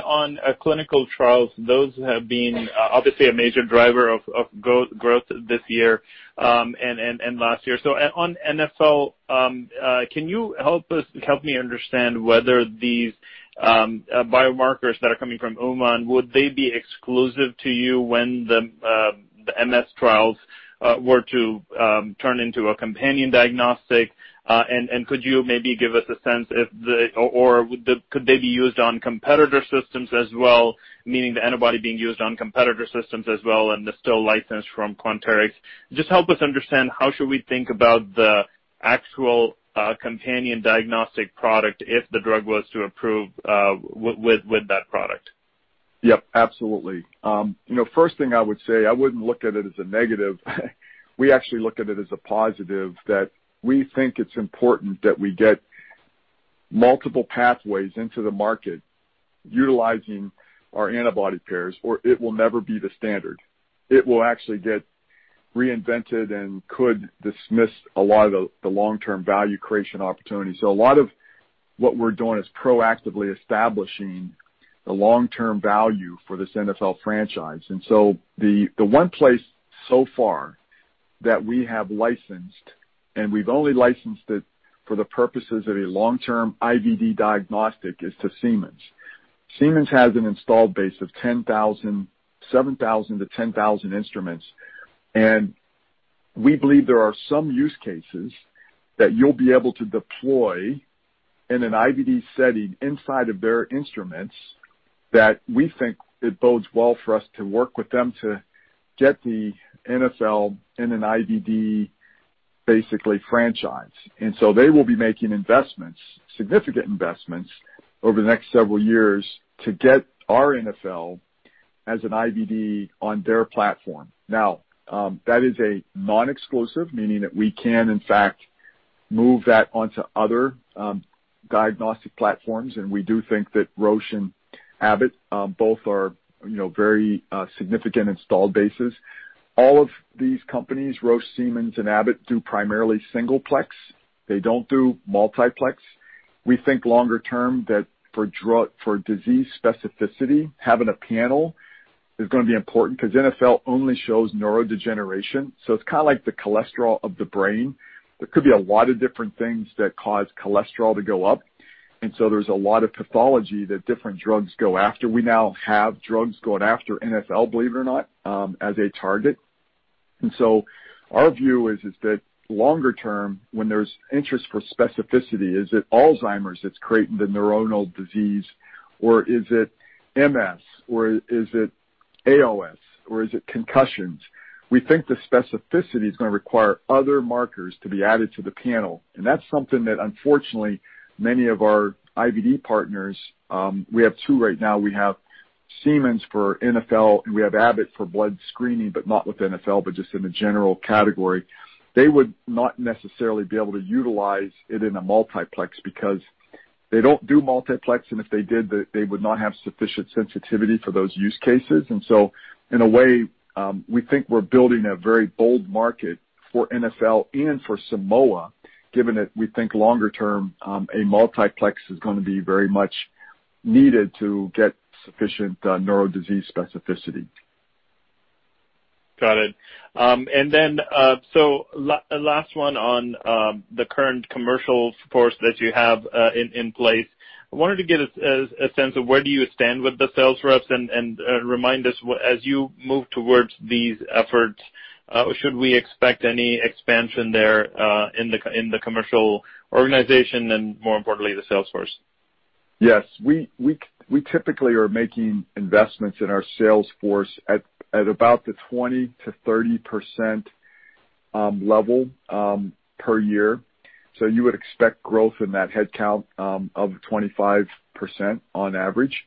On clinical trials, those have been obviously a major driver of growth this year and last year. On NfL, can you help me understand whether these biomarkers that are coming from UmanDiagnostics, would they be exclusive to you when the MS trials were to turn into a companion diagnostic? Could you maybe give us a sense if or could they be used on competitor systems as well? Meaning the antibody being used on competitor systems as well and they're still licensed from Quanterix. Just help us understand how should we think about the actual companion diagnostic product if the drug was to approve with that product. Yep, absolutely. First thing I would say, I wouldn't look at it as a negative. We actually look at it as a positive that we think it's important that we get multiple pathways into the market utilizing our antibody pairs, or it will never be the standard. It will actually get reinvented and could dismiss a lot of the long-term value creation opportunities. A lot of what we're doing is proactively establishing the long-term value for this NfL franchise. The one place so far that we have licensed, and we've only licensed it for the purposes of a long-term IVD diagnostic, is to Siemens. Siemens has an installed base of 7,000-10,000 instruments. We believe there are some use cases that you'll be able to deploy in an IVD setting inside of their instruments that we think it bodes well for us to work with them to get the NfL in an IVD, basically franchise. They will be making investments, significant investments over the next several years to get our NfL as an IVD on their platform. Now, that is a non-exclusive, meaning that we can in fact move that onto other diagnostic platforms. We do think that Roche and Abbott both are very significant installed bases. All of these companies, Roche, Siemens, and Abbott, do primarily singleplex. They don't do multiplex. We think longer term that for disease specificity, having a panel is going to be important because NfL only shows neurodegeneration, so it's kind of like the cholesterol of the brain. There could be a lot of different things that cause cholesterol to go up, and so there's a lot of pathology that different drugs go after. We now have drugs going after NfL, believe it or not, as a target. Our view is that longer term, when there's interest for specificity, is it Alzheimer's that's creating the neuronal disease, or is it MS, or is it ALS, or is it concussions? We think the specificity is going to require other markers to be added to the panel, and that's something that unfortunately many of our IVD partners, we have two right now, we have Siemens for NfL, and we have Abbott for blood screening, but not with NfL, but just in the general category. They would not necessarily be able to utilize it in a multiplex because they don't do multiplex, and if they did, they would not have sufficient sensitivity for those use cases. In a way, we think we're building a very bold market for NfL and for Simoa, given that we think longer term, a multiplex is going to be very much needed to get sufficient neuro disease specificity. Got it. Last one on the current commercial supports that you have in place. I wanted to get a sense of where do you stand with the sales reps and remind us as you move towards these efforts, should we expect any expansion there in the commercial organization and more importantly, the sales force? Yes. We typically are making investments in our sales force at about the 20%-30% level per year. You would expect growth in that head count of 25% on average.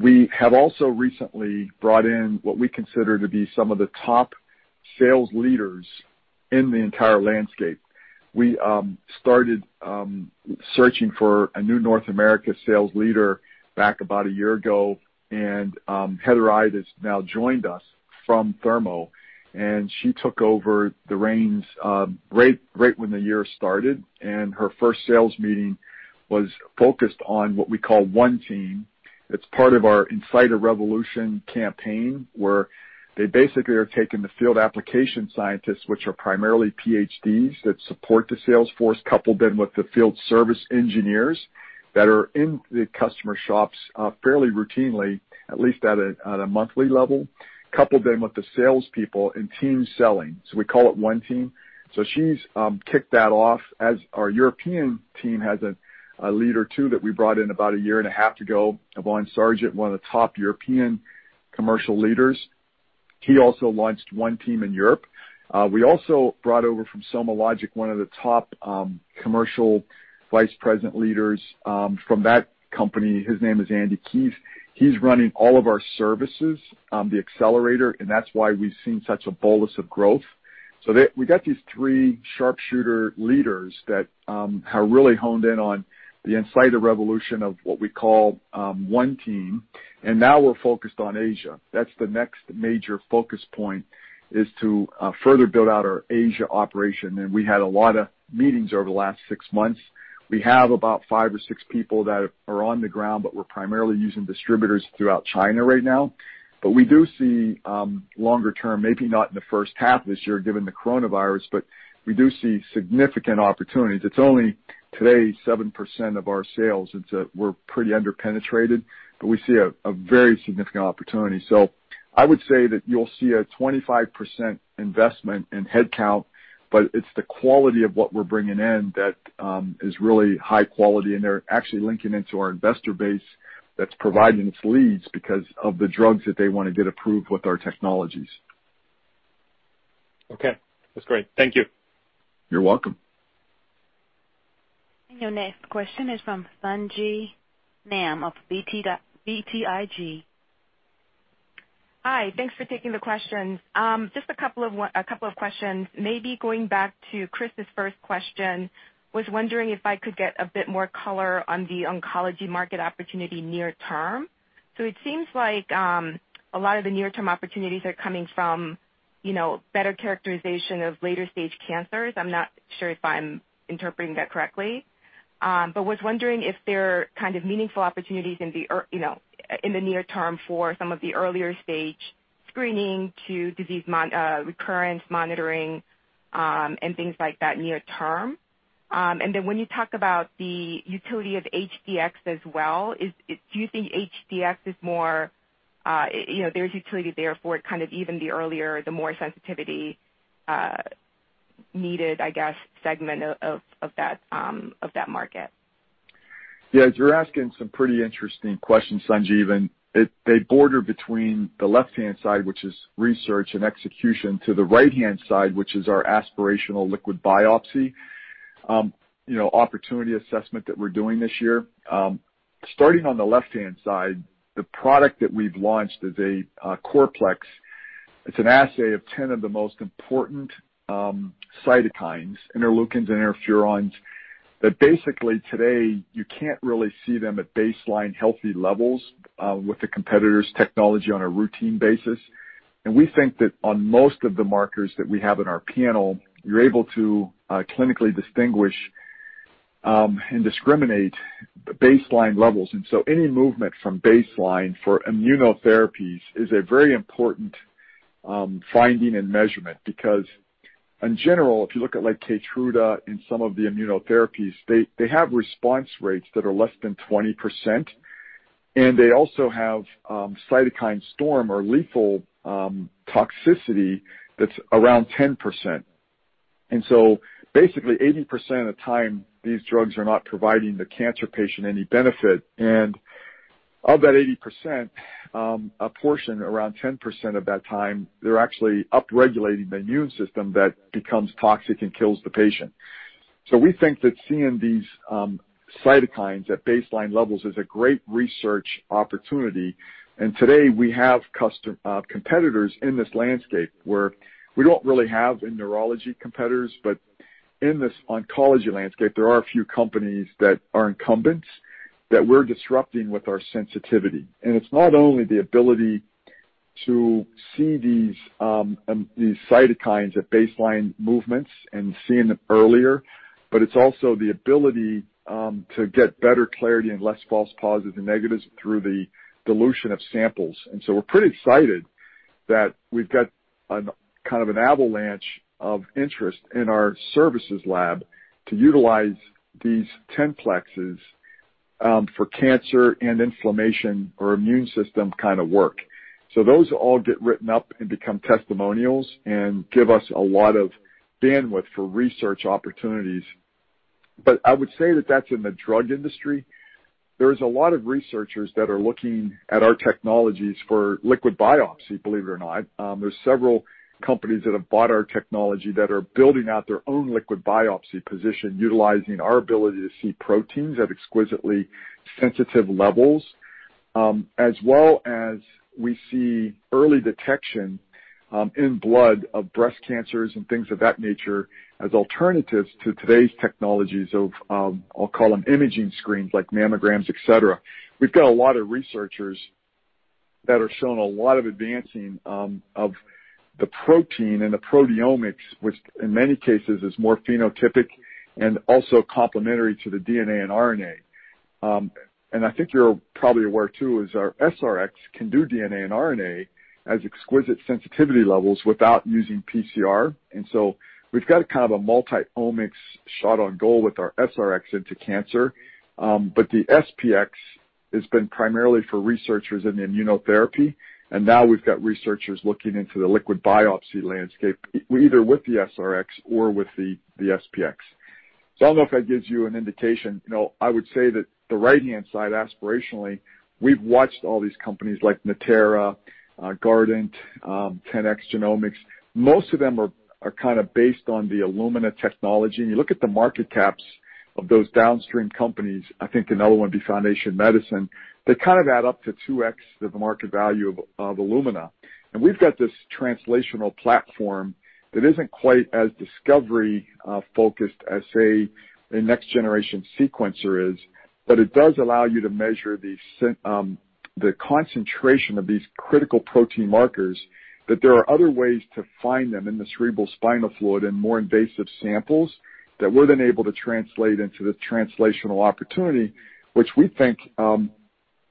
We have also recently brought in what we consider to be some of the top sales leaders in the entire landscape. We started searching for a new North America sales leader back about a year ago, and Heather Ide has now joined us from Thermo, and she took over the reins right when the year started, and her first sales meeting was focused on what we call One Team. It's part of our Insighter Revolution campaign, where they basically are taking the field application scientists, which are primarily PhDs that support the sales force, coupled in with the field service engineers that are in the customer shops fairly routinely, at least at a monthly level, coupled in with the salespeople in team selling. We call it One Team. She's kicked that off as our European team has a leader, too, that we brought in about a year and a half ago, Yvonne Sargent, one of the top European commercial leaders. He also launched One Team in Europe. We also brought over from SomaLogic one of the top commercial vice president leaders from that company. His name is Andy Keith. He's running all of our services, the accelerator, and that's why we've seen such a bolus of growth. We got these three sharpshooter leaders that have really honed in on the Insighter Revolution of what we call One Team, and now we're focused on Asia. That's the next major focus point is to further build out our Asia operation, and we had a lot of meetings over the last six months. We have about five or six people that are on the ground, but we're primarily using distributors throughout China right now. We do see longer term, maybe not in the first half of this year, given the coronavirus, but we do see significant opportunities. It's only today 7% of our sales. We're pretty under-penetrated, but we see a very significant opportunity. I would say that you'll see a 25% investment in headcount, but it's the quality of what we're bringing in that is really high quality, and they're actually linking into our investor base that's providing us leads because of the drugs that they want to get approved with our technologies. Okay. That's great. Thank you. You're welcome. Your next question is from Sung Ji Nam of BTIG. Hi. Thanks for taking the questions. Just a couple of questions. Maybe going back to Chris's first question, was wondering if I could get a bit more color on the oncology market opportunity near term. It seems like a lot of the near-term opportunities are coming from better characterization of later-stage cancers. I'm not sure if I'm interpreting that correctly. Was wondering if there are kind of meaningful opportunities in the near term for some of the earlier stage screening to disease recurrence monitoring, and things like that near term. When you talk about the utility of HDX as well, do you think HDX is more, there's utility there for kind of even the earlier, the more sensitivity needed, I guess, segment of that market? Yeah. You're asking some pretty interesting questions, Sung Ji, they border between the left-hand side, which is research and execution, to the right-hand side, which is our aspirational liquid biopsy opportunity assessment that we're doing this year. Starting on the left-hand side, the product that we've launched is a CorPlex. It's an assay of 10 of the most important cytokines, interleukins, interferons, that basically today you can't really see them at baseline healthy levels with the competitor's technology on a routine basis. We think that on most of the markers that we have in our panel, you're able to clinically distinguish and discriminate baseline levels. Any movement from baseline for immunotherapies is a very important finding and measurement because. In general, if you look at KEYTRUDA and some of the immunotherapies, they have response rates that are less than 20%, and they also have cytokine storm or lethal toxicity that's around 10%. Basically, 80% of the time, these drugs are not providing the cancer patient any benefit. Of that 80%, a portion, around 10% of that time, they're actually up-regulating the immune system that becomes toxic and kills the patient. We think that seeing these cytokines at baseline levels is a great research opportunity, and today we have competitors in this landscape where we don't really have, in neurology, competitors. In this oncology landscape, there are a few companies that are incumbents that we're disrupting with our sensitivity. It's not only the ability to see these cytokines at baseline movements and seeing them earlier, but it's also the ability to get better clarity and less false positives and negatives through the dilution of samples. We're pretty excited that we've got an avalanche of interest in our services lab to utilize these 10-plexes for cancer and inflammation or immune system work. Those all get written up and become testimonials and give us a lot of bandwidth for research opportunities. I would say that that's in the drug industry. There's a lot of researchers that are looking at our technologies for liquid biopsy, believe it or not. There's several companies that have bought our technology that are building out their own liquid biopsy position, utilizing our ability to see proteins at exquisitely sensitive levels, as well as we see early detection in blood of breast cancers and things of that nature as alternatives to today's technologies of, I'll call them imaging screens, like mammograms, et cetera. We've got a lot of researchers that are showing a lot of advancing of the protein and the proteomics, which in many cases is more phenotypic and also complementary to the DNA and RNA. I think you're probably aware too, is our SR-X can do DNA and RNA as exquisite sensitivity levels without using PCR. We've got a multi-omics shot on goal with our SR-X into cancer. The SP-X has been primarily for researchers in immunotherapy, and now we've got researchers looking into the liquid biopsy landscape, either with the SR-X or with the SP-X. I don't know if that gives you an indication. I would say that the right-hand side, aspirationally, we've watched all these companies like Natera, Guardant, 10x Genomics. Most of them are based on the Illumina technology, and you look at the market caps of those downstream companies, I think another one would be Foundation Medicine. They add up to 2x of the market value of Illumina. We've got this translational platform that isn't quite as discovery-focused as, say, a next-generation sequencer is. It does allow you to measure the concentration of these critical protein markers, that there are other ways to find them in the cerebrospinal fluid and more invasive samples that we're then able to translate into the translational opportunity, which we think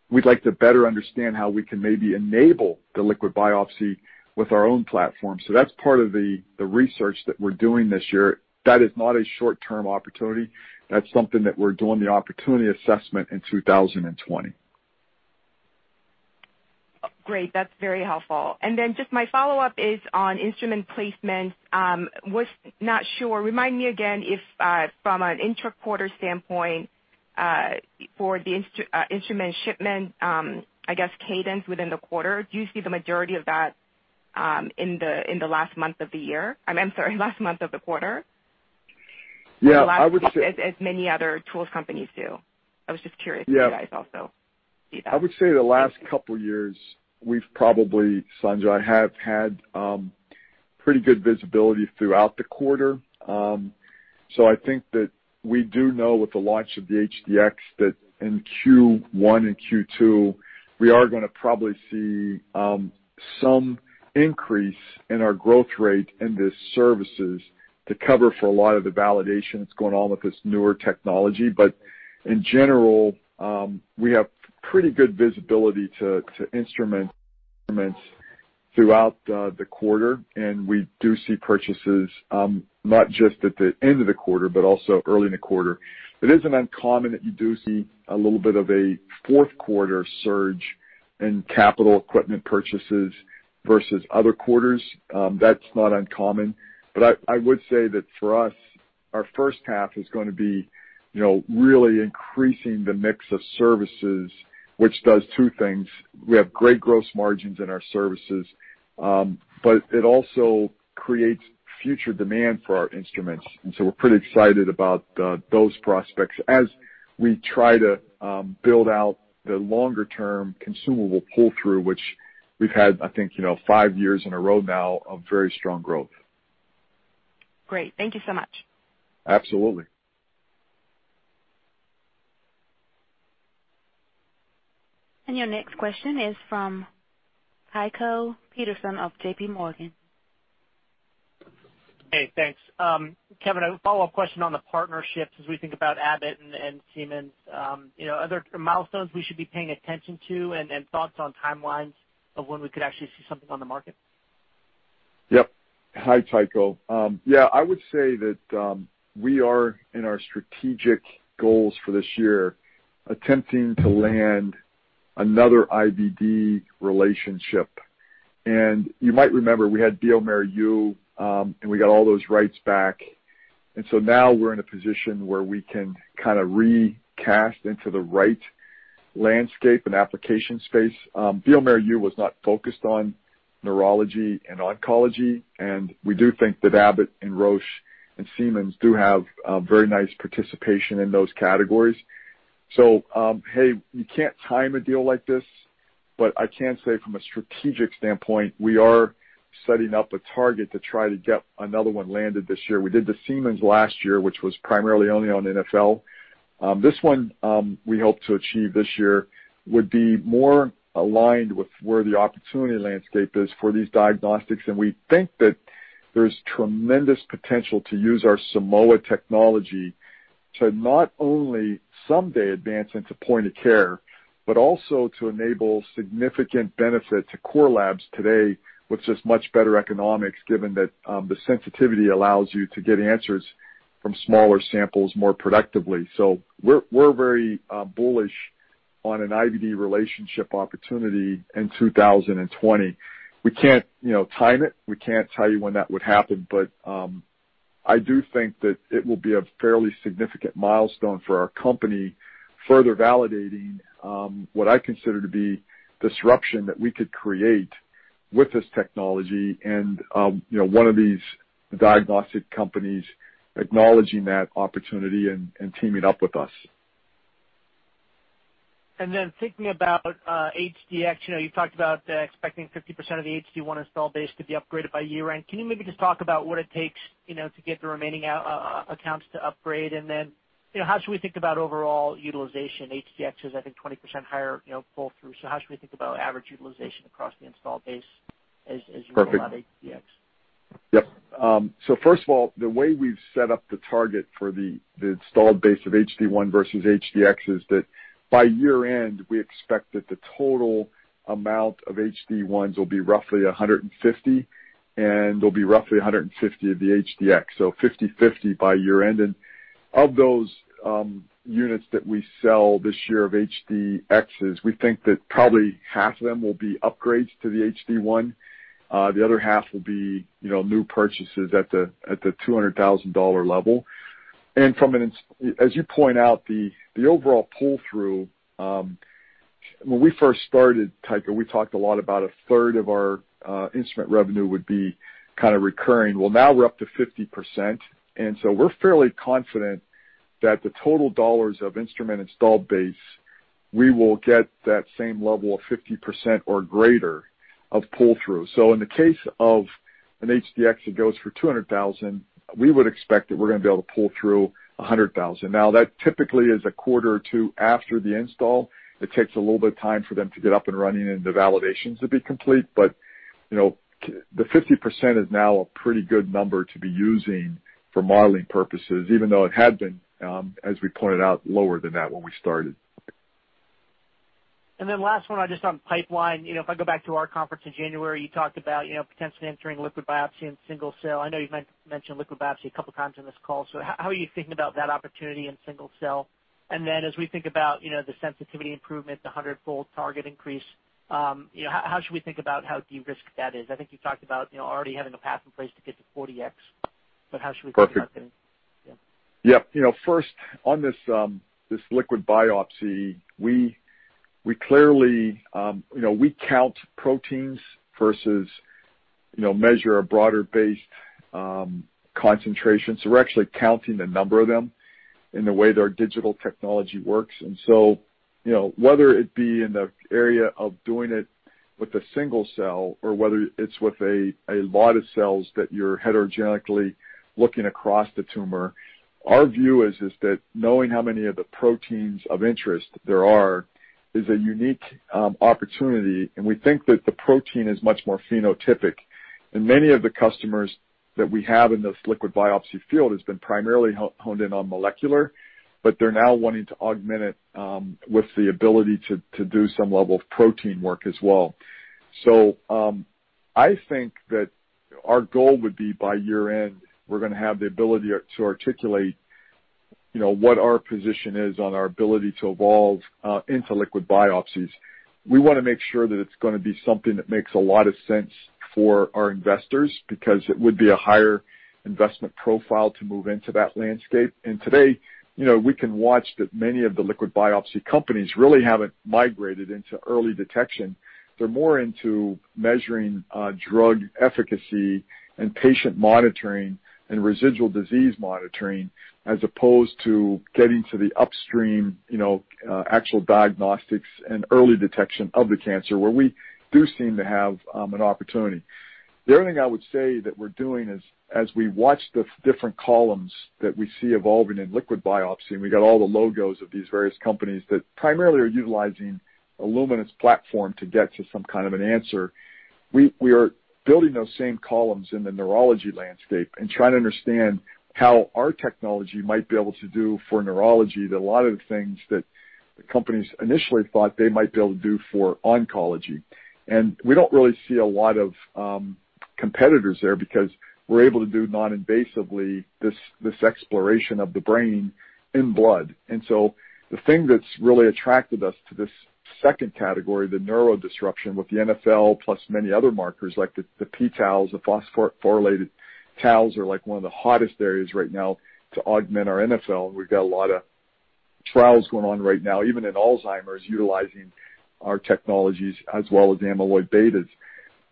we'd like to better understand how we can maybe enable the liquid biopsy with our own platform. That's part of the research that we're doing this year. That is not a short-term opportunity. That's something that we're doing the opportunity assessment in 2020. Great. That's very helpful. Just my follow-up is on instrument placement. Was not sure. Remind me again if, from an inter-quarter standpoint, for the instrument shipment cadence within the quarter, do you see the majority of that in the last month of the year? I'm sorry, last month of the quarter. Yeah, I would say- As many other tools companies do. I was just curious if you guys also see that. I would say the last couple of years, we've probably, Sandra, have had pretty good visibility throughout the quarter. I think that we do know with the launch of the HD-X that in Q1 and Q2, we are going to probably see some increase in our growth rate in the services to cover for a lot of the validation that's going on with this newer technology. In general, we have pretty good visibility to instruments throughout the quarter, and we do see purchases not just at the end of the quarter, but also early in the quarter. It isn't uncommon that you do see a little bit of a fourth quarter surge in capital equipment purchases versus other quarters. That's not uncommon. I would say that for us, our first half is going to be really increasing the mix of services, which does two things. We have great gross margins in our services. It also creates future demand for our instruments. We're pretty excited about those prospects as we try to build out the longer-term consumable pull-through, which we've had, I think, five years in a row now of very strong growth. Great. Thank you so much. Absolutely. Your next question is from Tycho Peterson of J.P. Morgan. Hey, thanks. Kevin, a follow-up question on the partnerships as we think about Abbott and Siemens. Are there milestones we should be paying attention to and thoughts on timelines of when we could actually see something on the market? Yep. Hi, Tycho. Yeah, I would say that we are in our strategic goals for this year attempting to land another IVD relationship. You might remember we had bioMérieux, and we got all those rights back. Now we're in a position where we can kind of recast into the right landscape and application space. bioMérieux was not focused on neurology and oncology, and we do think that Abbott and Roche and Siemens do have very nice participation in those categories. Hey, you can't time a deal like this, but I can say from a strategic standpoint, we are setting up a target to try to get another one landed this year. We did the Siemens last year, which was primarily only on NfL. This one, we hope to achieve this year, would be more aligned with where the opportunity landscape is for these diagnostics. We think that there's tremendous potential to use our Simoa technology to not only someday advance into point of care, but also to enable significant benefit to core labs today with just much better economics, given that the sensitivity allows you to get answers from smaller samples more productively. We're very bullish on an IVD relationship opportunity in 2020. We can't time it. We can't tell you when that would happen. I do think that it will be a fairly significant milestone for our company, further validating what I consider to be disruption that we could create with this technology and one of these diagnostic companies acknowledging that opportunity and teaming up with us. Thinking about HD-X, you talked about expecting 50% of the HD-1 install base to be upgraded by year-end. Can you maybe just talk about what it takes to get the remaining accounts to upgrade? How should we think about overall utilization? HD-X is, I think, 20% higher pull-through. How should we think about average utilization across the install base? Perfect you roll out HD-X? Yep. First of all, the way we've set up the target for the installed base of HD-1 versus HD-X is that by year-end, we expect that the total amount of HD-1s will be roughly 150, and there'll be roughly 150 of the HD-X. 50/50 by year-end. Of those units that we sell this year of HD-Xs, we think that probably half of them will be upgrades to the HD-1. The other half will be new purchases at the $200,000 level. As you point out, the overall pull-through, when we first started, Tycho, we talked a lot about a third of our instrument revenue would be kind of recurring. Well, now we're up to 50%, we're fairly confident that the total dollars of instrument installed base, we will get that same level of 50% or greater of pull-through. In the case of an HD-X that goes for $200,000, we would expect that we're going to be able to pull through $100,000. That typically is a quarter or two after the install. It takes a little bit of time for them to get up and running and the validations to be complete. The 50% is now a pretty good number to be using for modeling purposes, even though it had been, as we pointed out, lower than that when we started. Last one, just on pipeline. If I go back to our conference in January, you talked about potentially entering liquid biopsy and single cell. I know you've mentioned liquid biopsy a couple of times on this call. How are you thinking about that opportunity in single cell? As we think about the sensitivity improvement, the 100-fold target increase, how should we think about how de-risked that is? I think you talked about already having a path in place to get to 40X, but how should we think about that? Perfect. Yep. First, on this liquid biopsy, we count proteins versus measure a broader base concentration. We're actually counting the number of them in the way that our digital technology works. Whether it be in the area of doing it with a single cell or whether it's with a lot of cells that you're heterogenically looking across the tumor, our view is that knowing how many of the proteins of interest there are is a unique opportunity, and we think that the protein is much more phenotypic. Many of the customers that we have in this liquid biopsy field has been primarily honed in on molecular, but they're now wanting to augment it with the ability to do some level of protein work as well. I think that our goal would be by year-end, we're going to have the ability to articulate what our position is on our ability to evolve into liquid biopsies. We want to make sure that it's going to be something that makes a lot of sense for our investors because it would be a higher investment profile to move into that landscape. Today we can watch that many of the liquid biopsy companies really haven't migrated into early detection. They're more into measuring drug efficacy and patient monitoring and residual disease monitoring as opposed to getting to the upstream actual diagnostics and early detection of the cancer, where we do seem to have an opportunity. The other thing I would say that we're doing is as we watch the different columns that we see evolving in liquid biopsy, we got all the logos of these various companies that primarily are utilizing an Illumina platform to get to some kind of an answer. We are building those same columns in the neurology landscape and trying to understand how our technology might be able to do for neurology that a lot of the things that companies initially thought they might be able to do for oncology. We don't really see a lot of competitors there because we're able to do non-invasively this exploration of the brain in blood. The thing that's really attracted us to this second category, the neuro disruption with the NfL, plus many other markers like the p-taus, the phosphorylated taus, are one of the hottest areas right now to augment our NfL, and we've got a lot of trials going on right now, even in Alzheimer's, utilizing our technologies as well as the amyloid betas.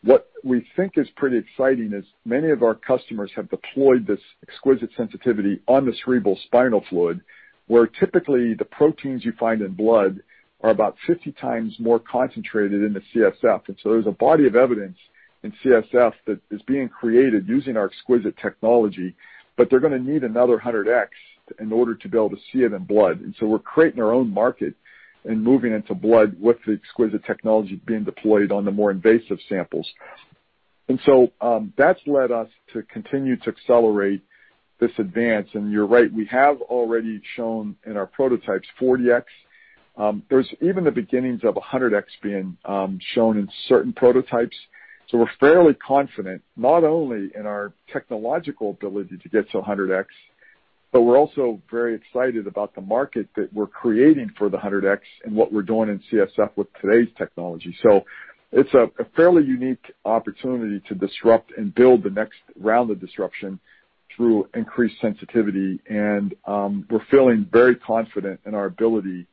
What we think is pretty exciting is many of our customers have deployed this exquisite sensitivity on the cerebrospinal fluid, where typically the proteins you find in blood are about 50x more concentrated in the CSF. There's a body of evidence in CSF that is being created using our exquisite technology, but they're going to need another 100X in order to be able to see it in blood. We're creating our own market and moving into blood with the Simoa technology being deployed on the more invasive samples. That's led us to continue to accelerate this advance. You're right, we have already shown in our prototypes 40x. There's even the beginnings of 100x being shown in certain prototypes. We're fairly confident, not only in our technological ability to get to 100x, but we're also very excited about the market that we're creating for the 100x and what we're doing in CSF with today's technology. It's a fairly unique opportunity to disrupt and build the next round of disruption through increased sensitivity and we're feeling very confident in our ability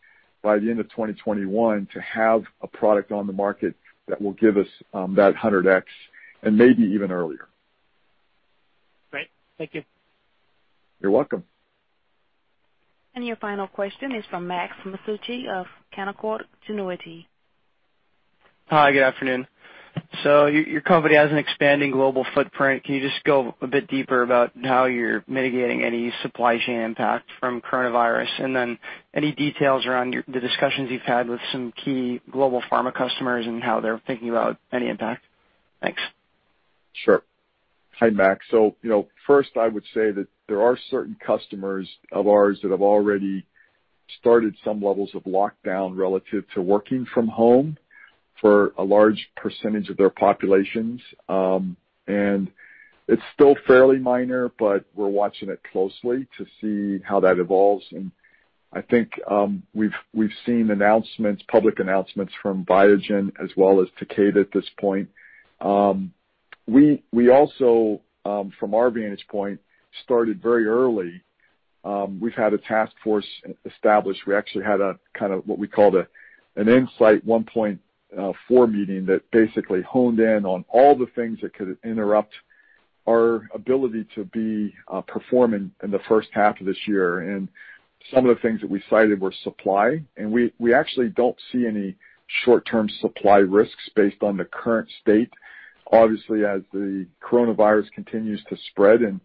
by the end of 2021 to have a product on the market that will give us that 100x, and maybe even earlier. Great. Thank you. You're welcome. Your final question is from Max Masucci of Canaccord Genuity. Hi, good afternoon. Your company has an expanding global footprint. Can you just go a bit deeper about how you're mitigating any supply chain impact from coronavirus? Any details around the discussions you've had with some key global pharma customers and how they're thinking about any impact? Thanks. Sure. Hi, Max. First I would say that there are certain customers of ours that have already started some levels of lockdown relative to working from home for a large percentage of their populations. It's still fairly minor, but we're watching it closely to see how that evolves. I think, we've seen public announcements from Biogen as well as Takeda at this point. We also, from our vantage point, started very early. We've had a task force established. We actually had a kind of what we called an Insight 1.4 meeting that basically honed in on all the things that could interrupt our ability to be performing in the first half of this year. Some of the things that we cited were supply, and we actually don't see any short-term supply risks based on the current state. Obviously, as the coronavirus continues to spread and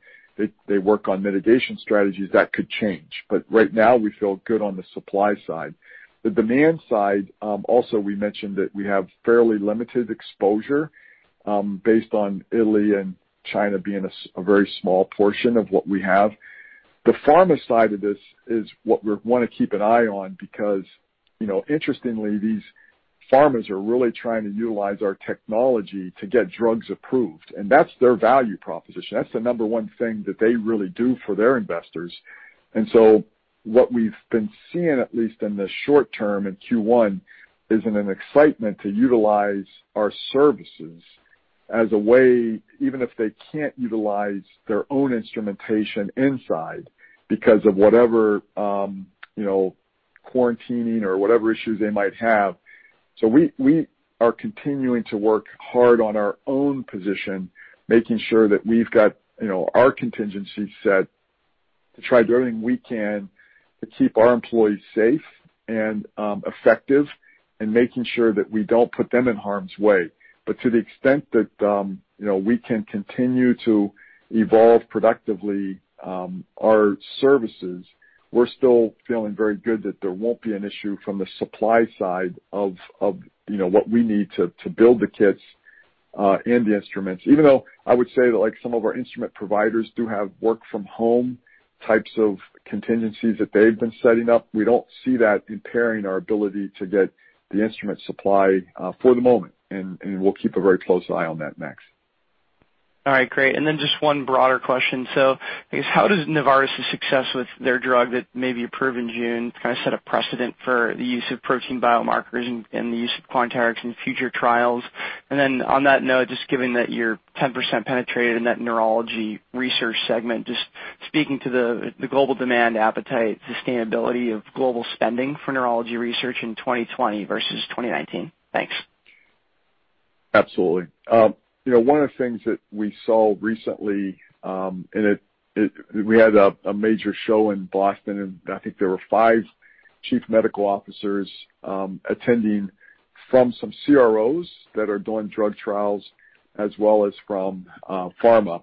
they work on mitigation strategies, that could change. Right now, we feel good on the supply side. The demand side, also we mentioned that we have fairly limited exposure, based on Italy and China being a very small portion of what we have. The pharma side of this is what we want to keep an eye on because, interestingly, these pharmas are really trying to utilize our technology to get drugs approved, and that's their value proposition. That's the number one thing that they really do for their investors. What we've been seeing, at least in the short term, in Q1, is an excitement to utilize our services as a way, even if they can't utilize their own instrumentation inside because of whatever quarantining or whatever issues they might have. We are continuing to work hard on our own position, making sure that we've got our contingency set to try doing what we can to keep our employees safe and effective and making sure that we don't put them in harm's way. To the extent that we can continue to evolve productively, our services, we're still feeling very good that there won't be an issue from the supply side of what we need to build the kits and the instruments. Even though I would say that, like some of our instrument providers do have work from home types of contingencies that they've been setting up, we don't see that impairing our ability to get the instrument supply for the moment, and we'll keep a very close eye on that, Max. All right. Great. Just one broader question. I guess, how does Novartis' success with their drug that may be approved in June kind of set a precedent for the use of protein biomarkers and the use of Quanterix in future trials? On that note, just given that you're 10% penetrated in that neurology research segment, just speaking to the global demand appetite, sustainability of global spending for neurology research in 2020 versus 2019. Thanks. Absolutely. One of the things that we saw recently, we had a major show in Boston, and I think there were five chief medical officers attending from some CROs that are doing drug trials as well as from pharma.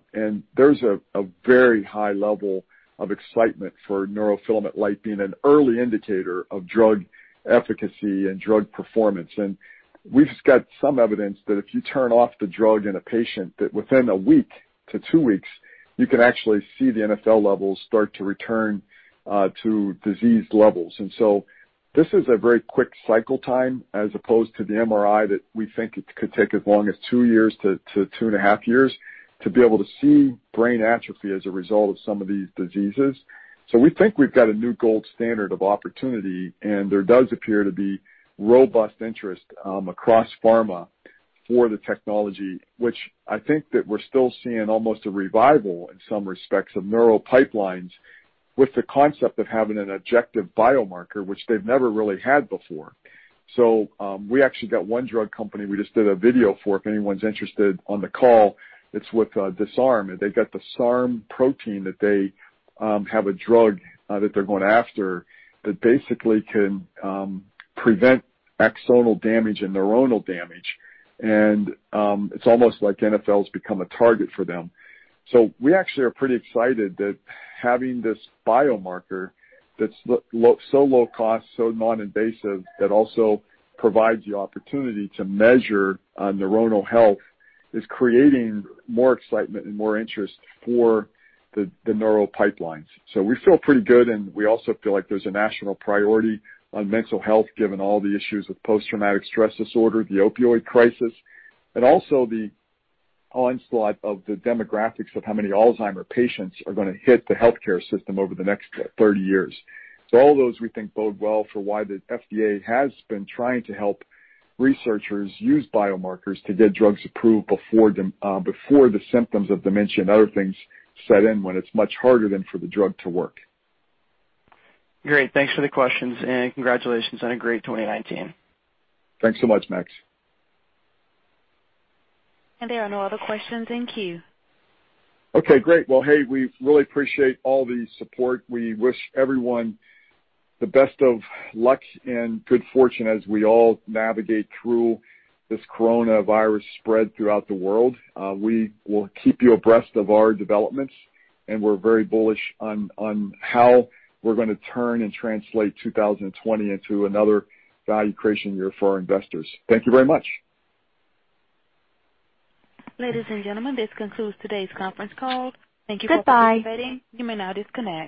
There's a very high level of excitement for neurofilament light being an early indicator of drug efficacy and drug performance. We've got some evidence that if you turn off the drug in a patient, that within 1-2 weeks, you can actually see the NfL levels start to return to diseased levels. This is a very quick cycle time as opposed to the MRI that we think it could take as long as two years-2.5 years to be able to see brain atrophy as a result of some of these diseases. We think we've got a new gold standard of opportunity, and there does appear to be robust interest across pharma for the technology, which I think that we're still seeing almost a revival in some respects of neural pipelines with the concept of having an objective biomarker, which they've never really had before. We actually got one drug company we just did a video for, if anyone's interested on the call. It's with Disarm. They've got the SARM1 protein that they have a drug that they're going after that basically can prevent axonal damage and neuronal damage. It's almost like NfL's become a target for them. We actually are pretty excited that having this biomarker that's so low cost, so non-invasive, that also provides the opportunity to measure neuronal health, is creating more excitement and more interest for the neural pipelines. We feel pretty good, and we also feel like there's a national priority on mental health given all the issues with post-traumatic stress disorder, the opioid crisis, and also the onslaught of the demographics of how many Alzheimer patients are going to hit the healthcare system over the next 30 years. All those we think bode well for why the FDA has been trying to help researchers use biomarkers to get drugs approved before the symptoms of dementia and other things set in when it's much harder than for the drug to work. Great. Thanks for the questions and congratulations on a great 2019. Thanks so much, Max. There are no other questions in queue. Okay, great. Well, hey, we really appreciate all the support. We wish everyone the best of luck and good fortune as we all navigate through this coronavirus spread throughout the world. We will keep you abreast of our developments, and we're very bullish on how we're going to turn and translate 2020 into another value creation year for our investors. Thank you very much. Ladies and gentlemen, this concludes today's Conference Call. Thank you for participating. Goodbye. You may now disconnect.